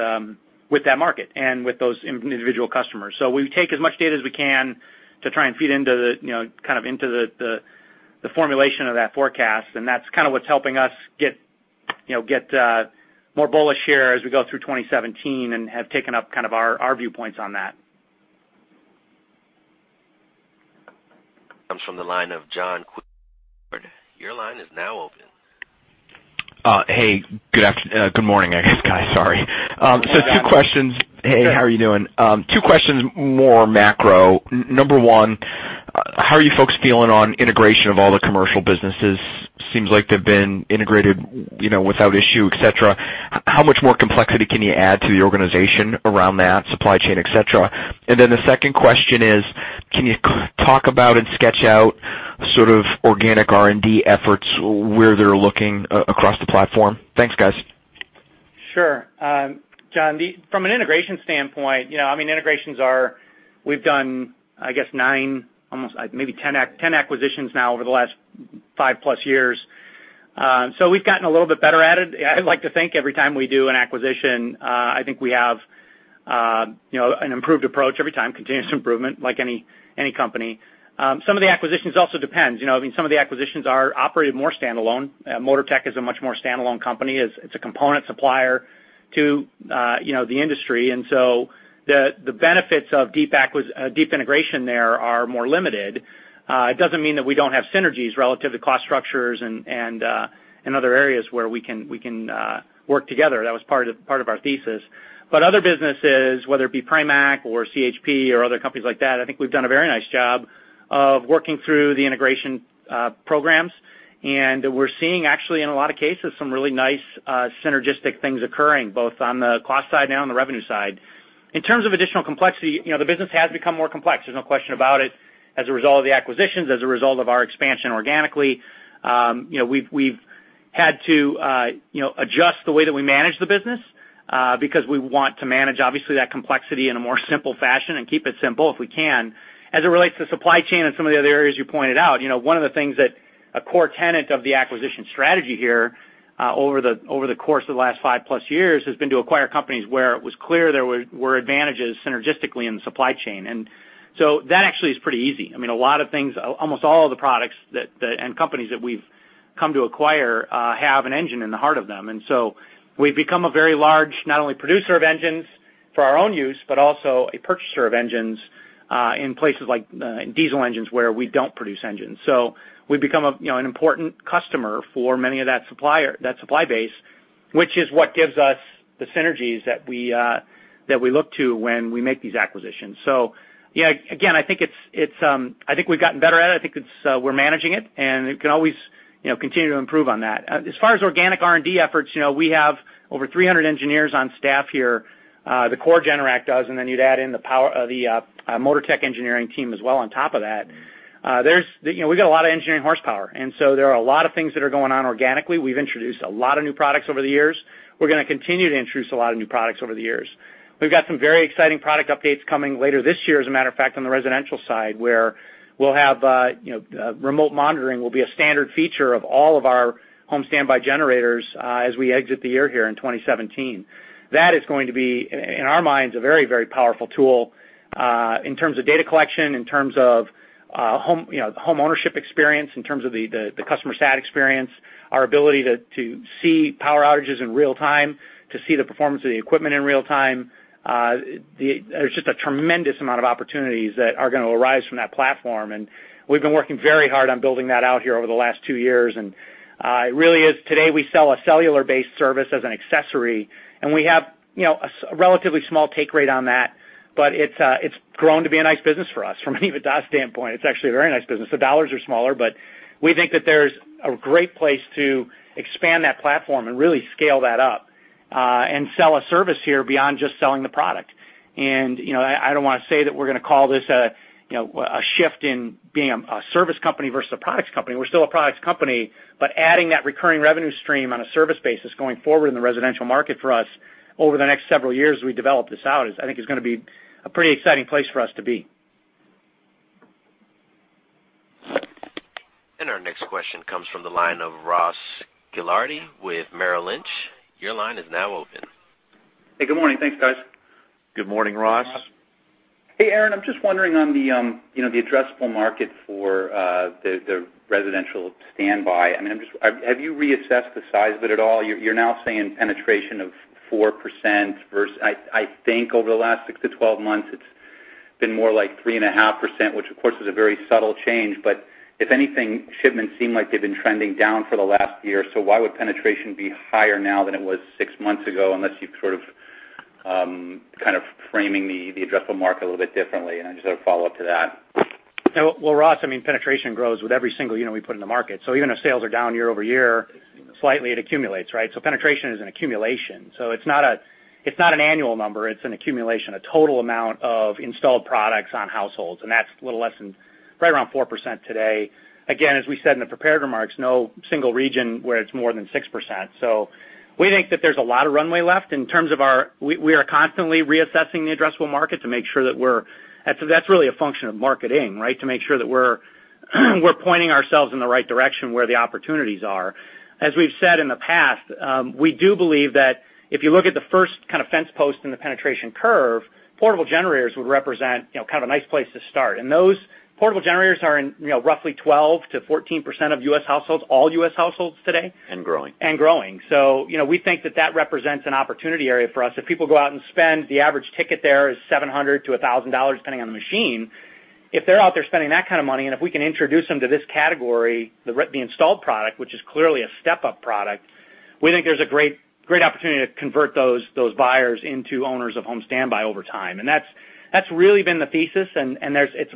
S3: that market and with those individual customers. We take as much data as we can to try and feed into the formulation of that forecast, and that's kind of what's helping us get more bullish here as we go through 2017 and have taken up kind of our viewpoints on that.
S1: Comes from the line of John. (audio distortion) Your line is now open.
S11: Hey. Good morning, I guess, guys, sorry. Two questions.
S3: Hey, John.
S11: Hey, how are you doing? Two questions, more macro. Number one, how are you folks feeling on integration of all the commercial businesses? Seems like they've been integrated without issue, et cetera. How much more complexity can you add to the organization around that supply chain, et cetera? The second question is, can you talk about and sketch out sort of organic R&D efforts where they're looking across the platform? Thanks, guys.
S3: Sure. John, from an integration standpoint, integrations are, we've done, I guess, nine, almost maybe 10 acquisitions now over the last five-plus years. We've gotten a little bit better at it. I'd like to think every time we do an acquisition, I think we have an improved approach every time, continuous improvement, like any company. Some of the acquisitions also depends. Some of the acquisitions are operated more standalone. Motortech is a much more standalone company. It's a component supplier to the industry. The benefits of deep integration there are more limited. It doesn't mean that we don't have synergies relative to cost structures and other areas where we can work together. That was part of our thesis. Other businesses, whether it be Pramac or CHP or other companies like that, I think we've done a very nice job of working through the integration programs. We're seeing actually in a lot of cases, some really nice synergistic things occurring both on the cost side and on the revenue side. In terms of additional complexity, the business has become more complex. There's no question about it. As a result of the acquisitions, as a result of our expansion organically, we've had to adjust the way that we manage the business because we want to manage, obviously, that complexity in a more simple fashion and keep it simple if we can. As it relates to supply chain and some of the other areas you pointed out, one of the things that a core tenet of the acquisition strategy here over the course of the last five-plus years has been to acquire companies where it was clear there were advantages synergistically in the supply chain. That actually is pretty easy. Almost all of the products and companies that we've come to acquire have an engine in the heart of them. We've become a very large, not only producer of engines for our own use, but also a purchaser of engines in places like diesel engines, where we don't produce engines. We've become an important customer for many of that supply base, which is what gives us the synergies that we look to when we make these acquisitions. Yeah, again, I think we've gotten better at it. I think we're managing it, and it can always continue to improve on that. As far as organic R&D efforts, we have over 300 engineers on staff here, the core Generac does, and then you'd add in the Motortech engineering team as well on top of that. We've got a lot of engineering horsepower. There are a lot of things that are going on organically. We've introduced a lot of new products over the years. We're going to continue to introduce a lot of new products over the years. We've got some very exciting product updates coming later this year, as a matter of fact, on the residential side, where we'll have remote monitoring will be a standard feature of all of our home standby generators as we exit the year here in 2017. That is going to be, in our minds, a very powerful tool in terms of data collection, in terms of home ownership experience, in terms of the customer stat experience, our ability to see power outages in real time, to see the performance of the equipment in real time. There's just a tremendous amount of opportunities that are going to arise from that platform, and we've been working very hard on building that out here over the last two years. It really is today we sell a cellular-based service as an accessory, and we have a relatively small take rate on that, but it's grown to be a nice business for us from an EBITDA standpoint. It's actually a very nice business. The dollars are smaller. We think that there's a great place to expand that platform and really scale that up, and sell a service here beyond just selling the product. I don't want to say that we're going to call this a shift in being a service company versus a products company. We're still a products company, but adding that recurring revenue stream on a service basis going forward in the residential market for us over the next several years as we develop this out, I think is going to be a pretty exciting place for us to be.
S1: Our next question comes from the line of Ross Gilardi with Merrill Lynch. Your line is now open.
S12: Hey, good morning. Thanks, guys.
S4: Good morning, Ross.
S3: Good morning, Ross.
S12: Hey, Aaron. I'm just wondering on the addressable market for the residential standby. Have you reassessed the size of it at all? You're now saying penetration of 4% versus, I think over the last 6-12 months, it's been more like 3.5%, which, of course, is a very subtle change. If anything, shipments seem like they've been trending down for the last year, so why would penetration be higher now than it was six months ago? Unless you've sort of framing the addressable market a little bit differently. I just have a follow-up to that.
S3: Well, Ross, penetration grows with every single unit we put in the market. Even if sales are down year-over-year slightly, it accumulates, right. Penetration is an accumulation. It's not an annual number. It's an accumulation, a total amount of installed products on households, and that's a little less than right around 4% today. Again, as we said in the prepared remarks, no single region where it's more than 6%. We think that there's a lot of runway left. We are constantly reassessing the addressable market. That's really a function of marketing, right, to make sure that we're pointing ourselves in the right direction where the opportunities are. As we've said in the past, we do believe that if you look at the first kind of fence post in the penetration curve, portable generators would represent kind of a nice place to start. Those portable generators are in roughly 12%-14% of U.S. households, all U.S. households today-
S4: And growing.
S3: ...and growing. We think that that represents an opportunity area for us. If people go out and spend, the average ticket there is $700-$1,000, depending on the machine. If they're out there spending that kind of money, and if we can introduce them to this category, the installed product, which is clearly a step-up product, we think there's a great opportunity to convert those buyers into owners of home standby generators over time. That's really been the thesis, and it's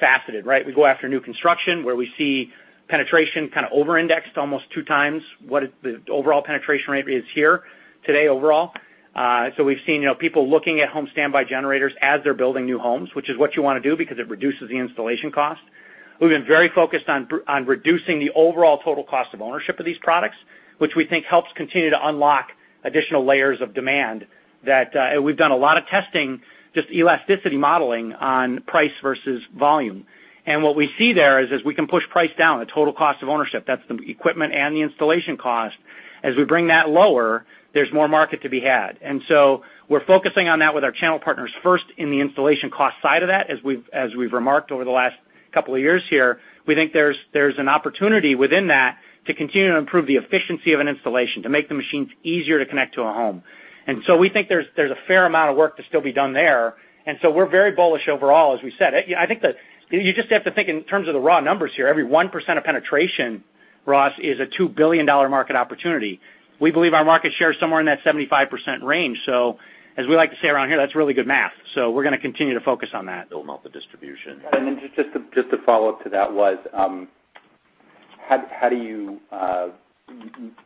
S3: multifaceted, right. We go after new construction where we see penetration kind of over-indexed almost two times what the overall penetration rate is here today overall. We've seen people looking at home standby generators as they're building new homes, which is what you want to do because it reduces the installation cost. We've been very focused on reducing the overall total cost of ownership of these products, which we think helps continue to unlock additional layers of demand that we've done a lot of testing, just elasticity modeling on price versus volume. What we see there is, we can push price down, the total cost of ownership. That's the equipment and the installation cost. As we bring that lower, there's more market to be had. We're focusing on that with our channel partners first in the installation cost side of that, as we've remarked over the last couple of years here. We think there's an opportunity within that to continue to improve the efficiency of an installation, to make the machines easier to connect to a home. We think there's a fair amount of work to still be done there, we're very bullish overall, as we said. I think that you just have to think in terms of the raw numbers here. Every 1% of penetration, Ross, is a $2 billion market opportunity. We believe our market share is somewhere in that 75% range. As we like to say around here, that's really good math. We're going to continue to focus on that.
S4: Build multi-distribution.
S12: Just a follow-up to that was, how do you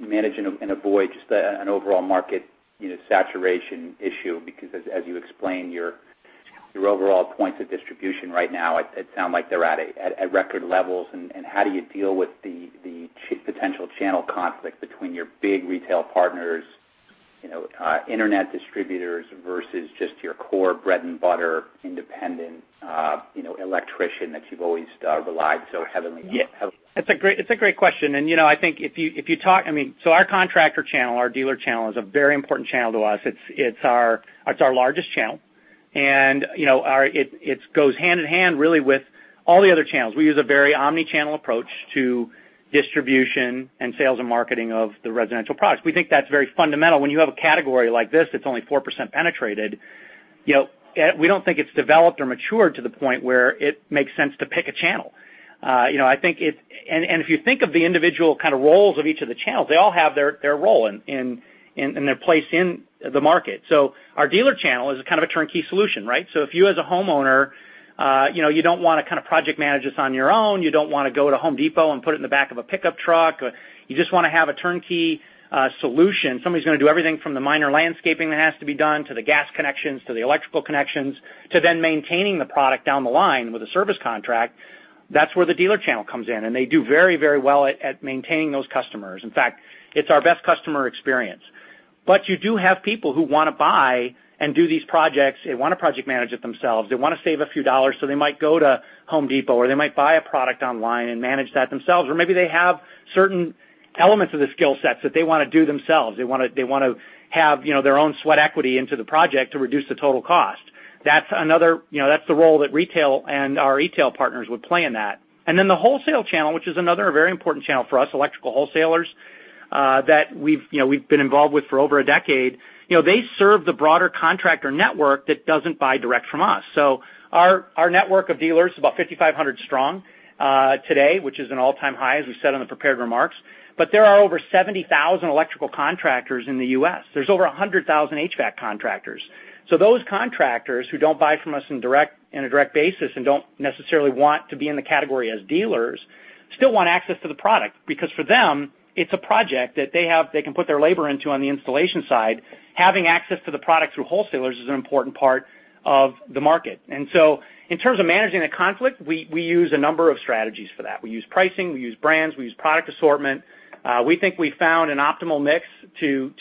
S12: manage and avoid just an overall market saturation issue? Because as you explained, your overall points of distribution right now, it sound like they're at record levels, and how do you deal with the potential channel conflict between your big retail partners, internet distributors versus just your core bread and butter independent electrician that you've always relied so heavily on?
S3: It's a great question. I think our contractor channel, our dealer channel, is a very important channel to us. It's our largest channel. It goes hand-in-hand really with all the other channels. We use a very omni-channel approach to distribution and sales and marketing of the residential products. We think that's very fundamental. When you have a category like this that's only 4% penetrated. We don't think it's developed or matured to the point where it makes sense to pick a channel. If you think of the individual kind of roles of each of the channels, they all have their role and their place in the market. Our dealer channel is kind of a turnkey solution, right? If you as a homeowner, you don't want to kind of project manage this on your own, you don't want to go to The Home Depot and put it in the back of a pickup truck. You just want to have a turnkey solution. Somebody's going to do everything from the minor landscaping that has to be done, to the gas connections, to the electrical connections, to then maintaining the product down the line with a service contract. That's where the dealer channel comes in, and they do very well at maintaining those customers. In fact, it's our best customer experience. You do have people who want to buy and do these projects. They want to project manage it themselves. They want to save a few dollars, so they might go to The Home Depot or they might buy a product online and manage that themselves. Maybe they have certain elements of the skill sets that they want to do themselves. They want to have their own sweat equity into the project to reduce the total cost. That's the role that retail and our e-tail partners would play in that. The wholesale channel, which is another very important channel for us, electrical wholesalers, that we've been involved with for over a decade. They serve the broader contractor network that doesn't buy direct from us. Our network of dealers is about 5,500 strong today, which is an all-time high, as we said on the prepared remarks. There are over 70,000 electrical contractors in the U.S. There's over 100,000 HVAC contractors. Those contractors who don't buy from us in a direct basis and don't necessarily want to be in the category as dealers still want access to the product, because for them, it's a project that they can put their labor into on the installation side. Having access to the product through wholesalers is an important part of the market. In terms of managing that conflict, we use a number of strategies for that. We use pricing, we use brands, we use product assortment. We think we found an optimal mix to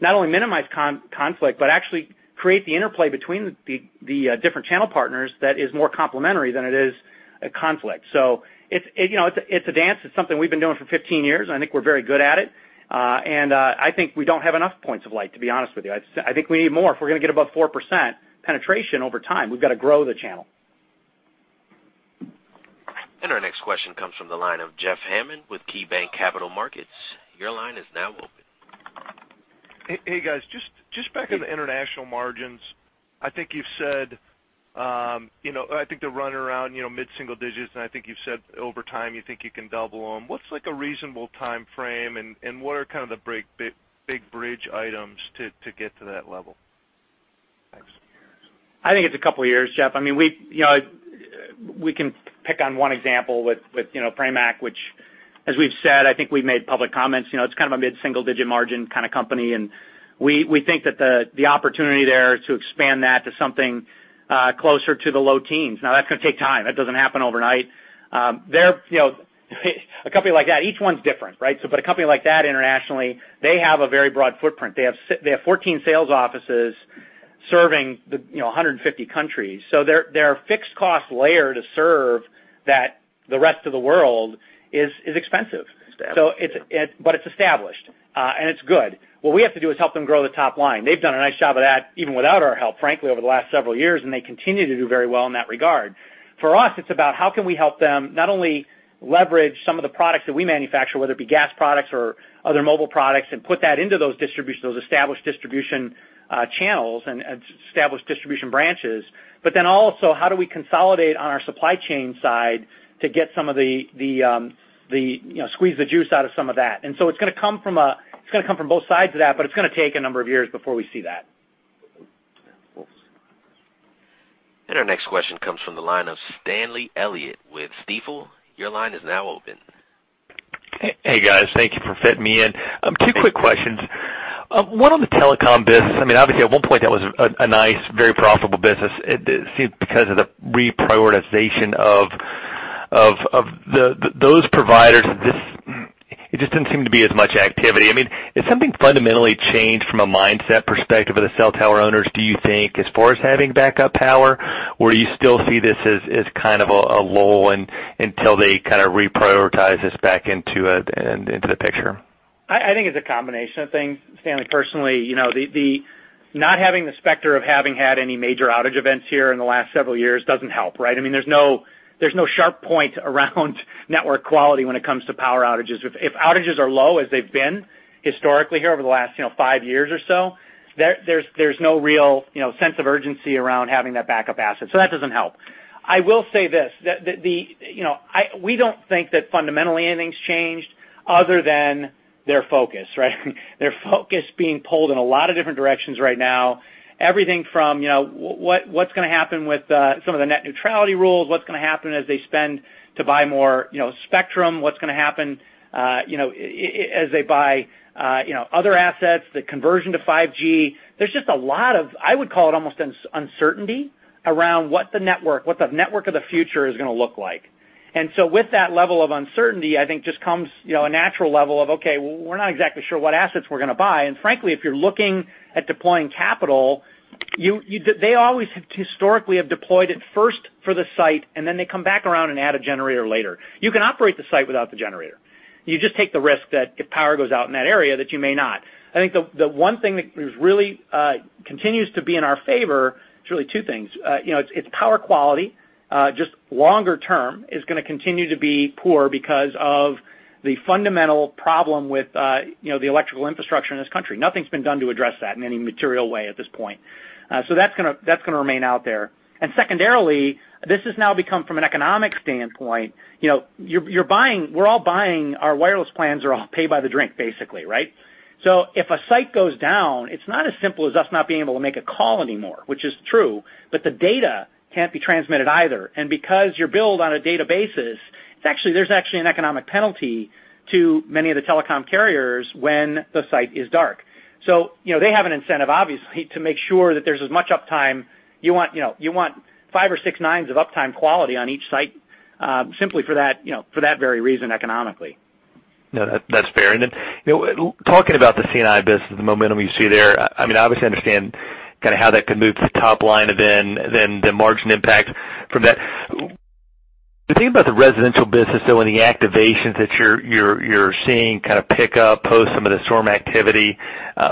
S3: not only minimize conflict, but actually create the interplay between the different channel partners that is more complementary than it is a conflict. It's a dance. It's something we've been doing for 15 years. I think we're very good at it. I think we don't have enough points of light, to be honest with you. I think we need more. If we're going to get above 4% penetration over time, we've got to grow the channel.
S1: Our next question comes from the line of Jeff Hammond with KeyBanc Capital Markets. Your line is now open.
S7: Hey, guys. Just back on the international margins. I think they're running around mid-single digits, and I think you've said over time, you think you can double them. What's a reasonable timeframe, and what are kind of the big bridge items to get to that level? Thanks.
S3: I think it's a couple of years, Jeff. We can pick on one example with Pramac, which as we've said, I think we've made public comments. It's kind of a mid-single digit margin kind of company, and we think that the opportunity there is to expand that to something closer to the low teens. That's going to take time. That doesn't happen overnight. A company like that, each one's different, right? A company like that internationally, they have a very broad footprint. They have 14 sales offices serving 150 countries. Their fixed cost layer to serve the rest of the world is expensive.
S4: Established, yeah.
S3: It's established, and it's good. What we have to do is help them grow the top line. They've done a nice job of that, even without our help, frankly, over the last several years, and they continue to do very well in that regard. For us, it's about how can we help them not only leverage some of the products that we manufacture, whether it be gas products or other mobile products, and put that into those established distribution channels and established distribution branches. Also, how do we consolidate on our supply chain side to squeeze the juice out of some of that? It's going to come from both sides of that, it's going to take a number of years before we see that.
S1: Our next question comes from the line of Stanley Elliott with Stifel. Your line is now open.
S13: Hey, guys. Thank you for fitting me in. Two quick questions. One on the telecom biz. Obviously at one point that was a nice, very profitable business. It seems because of the reprioritization of those providers, it just didn't seem to be as much activity. Has something fundamentally changed from a mindset perspective of the cell tower owners, do you think, as far as having backup power? Or do you still see this as kind of a lull until they kind of reprioritize this back into the picture?
S3: I think it's a combination of things, Stanley. Personally, not having the specter of having had any major outage events here in the last several years doesn't help, right? There's no sharp point around network quality when it comes to power outages. If outages are low, as they've been historically here over the last five years or so, there's no real sense of urgency around having that backup asset. That doesn't help. I will say this, that we don't think that fundamentally anything's changed other than their focus, right? Their focus being pulled in a lot of different directions right now. Everything from what's going to happen with some of the net neutrality rules, what's going to happen as they spend to buy more spectrum, what's going to happen as they buy other assets, the conversion to 5G. There's just a lot of, I would call it almost uncertainty around what the network of the future is going to look like. With that level of uncertainty, I think just comes a natural level of, okay, we're not exactly sure what assets we're going to buy. Frankly, if you're looking at deploying capital, they always historically have deployed it first for the site, and then they come back around and add a generator later. You can operate the site without the generator. You just take the risk that if power goes out in that area, that you may not. I think the one thing that really continues to be in our favor, it's really two things. It's power quality, just longer term is going to continue to be poor because of the fundamental problem with the electrical infrastructure in this country, nothing's been done to address that in any material way at this point. That's going to remain out there. Secondarily, this has now become, from an economic standpoint, our wireless plans are all pay by the drink, basically. If a site goes down, it's not as simple as us not being able to make a call anymore, which is true, but the data can't be transmitted either. Because you're billed on a data basis, there's actually an economic penalty to many of the telecom carriers when the site is dark. They have an incentive, obviously, to make sure that there's as much uptime. You want five or six nines of uptime quality on each site, simply for that very reason, economically.
S13: No, that's fair. Talking about the C&I business, the momentum you see there, I obviously understand how that could move to the top line, and the margin impact from that. The thing about the residential business, though, and the activations that you're seeing pick-up post some of the storm activity,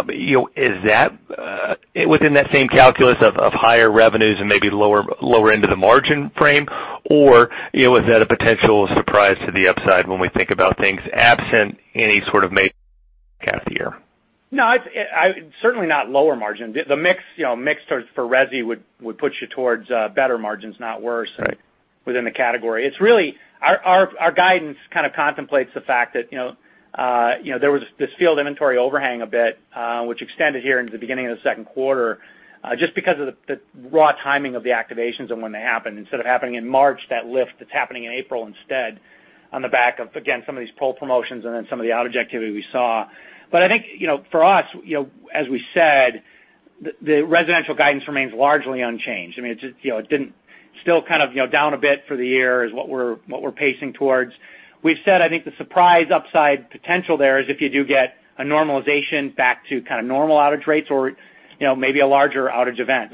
S13: within that same calculus of higher revenues and maybe lower end of the margin frame, or was that a potential surprise to the upside when we think about things absent any sort of major half year?
S3: No, certainly not lower margin. The mix for resi would put you towards better margins, not worse.
S13: Right.
S3: Within the category. Our guidance kind of contemplates the fact that there was this field inventory overhang a bit, which extended here into the beginning of the second quarter, just because of the raw timing of the activations and when they happened. Instead of happening in March, that lift it's happening in April instead on the back of, again, some of these pull promotions and some of the outage activity we saw. I think, for us, as we said, the residential guidance remains largely unchanged. Still kind of down a bit for the year is what we're pacing towards. We've said, I think the surprise upside potential there is if you do get a normalization back to kind of normal outage rates or maybe a larger outage event.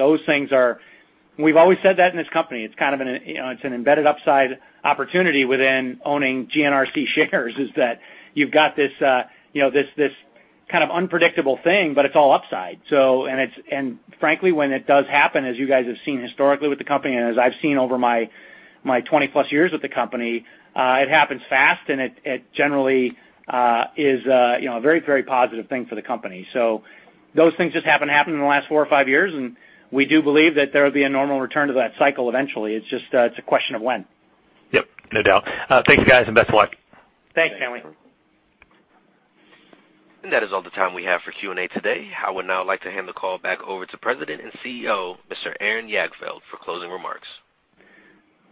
S3: We've always said that in this company. It's an embedded upside opportunity within owning GNRC shares, is that you've got this kind of unpredictable thing, it's all upside. Frankly, when it does happen, as you guys have seen historically with the company, and as I've seen over my 20+ years with the company, it happens fast and it generally is a very positive thing for the company. Those things just happen to happen in the last four or five years, and we do believe that there will be a normal return to that cycle eventually. It's a question of when.
S13: Yep, no doubt. Thanks, guys, and best of luck.
S3: Thanks, Stanley.
S1: That is all the time we have for Q&A today. I would now like to hand the call back over to President and CEO, Mr. Aaron Jagdfeld, for closing remarks.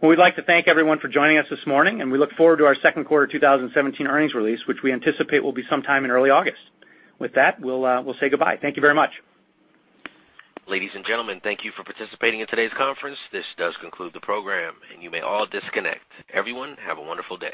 S3: Well, we'd like to thank everyone for joining us this morning, and we look forward to our second quarter 2017 earnings release, which we anticipate will be sometime in early August. With that, we'll say goodbye. Thank you very much.
S1: Ladies and gentlemen, thank you for participating in today's conference. This does conclude the program, and you may all disconnect. Everyone, have a wonderful day.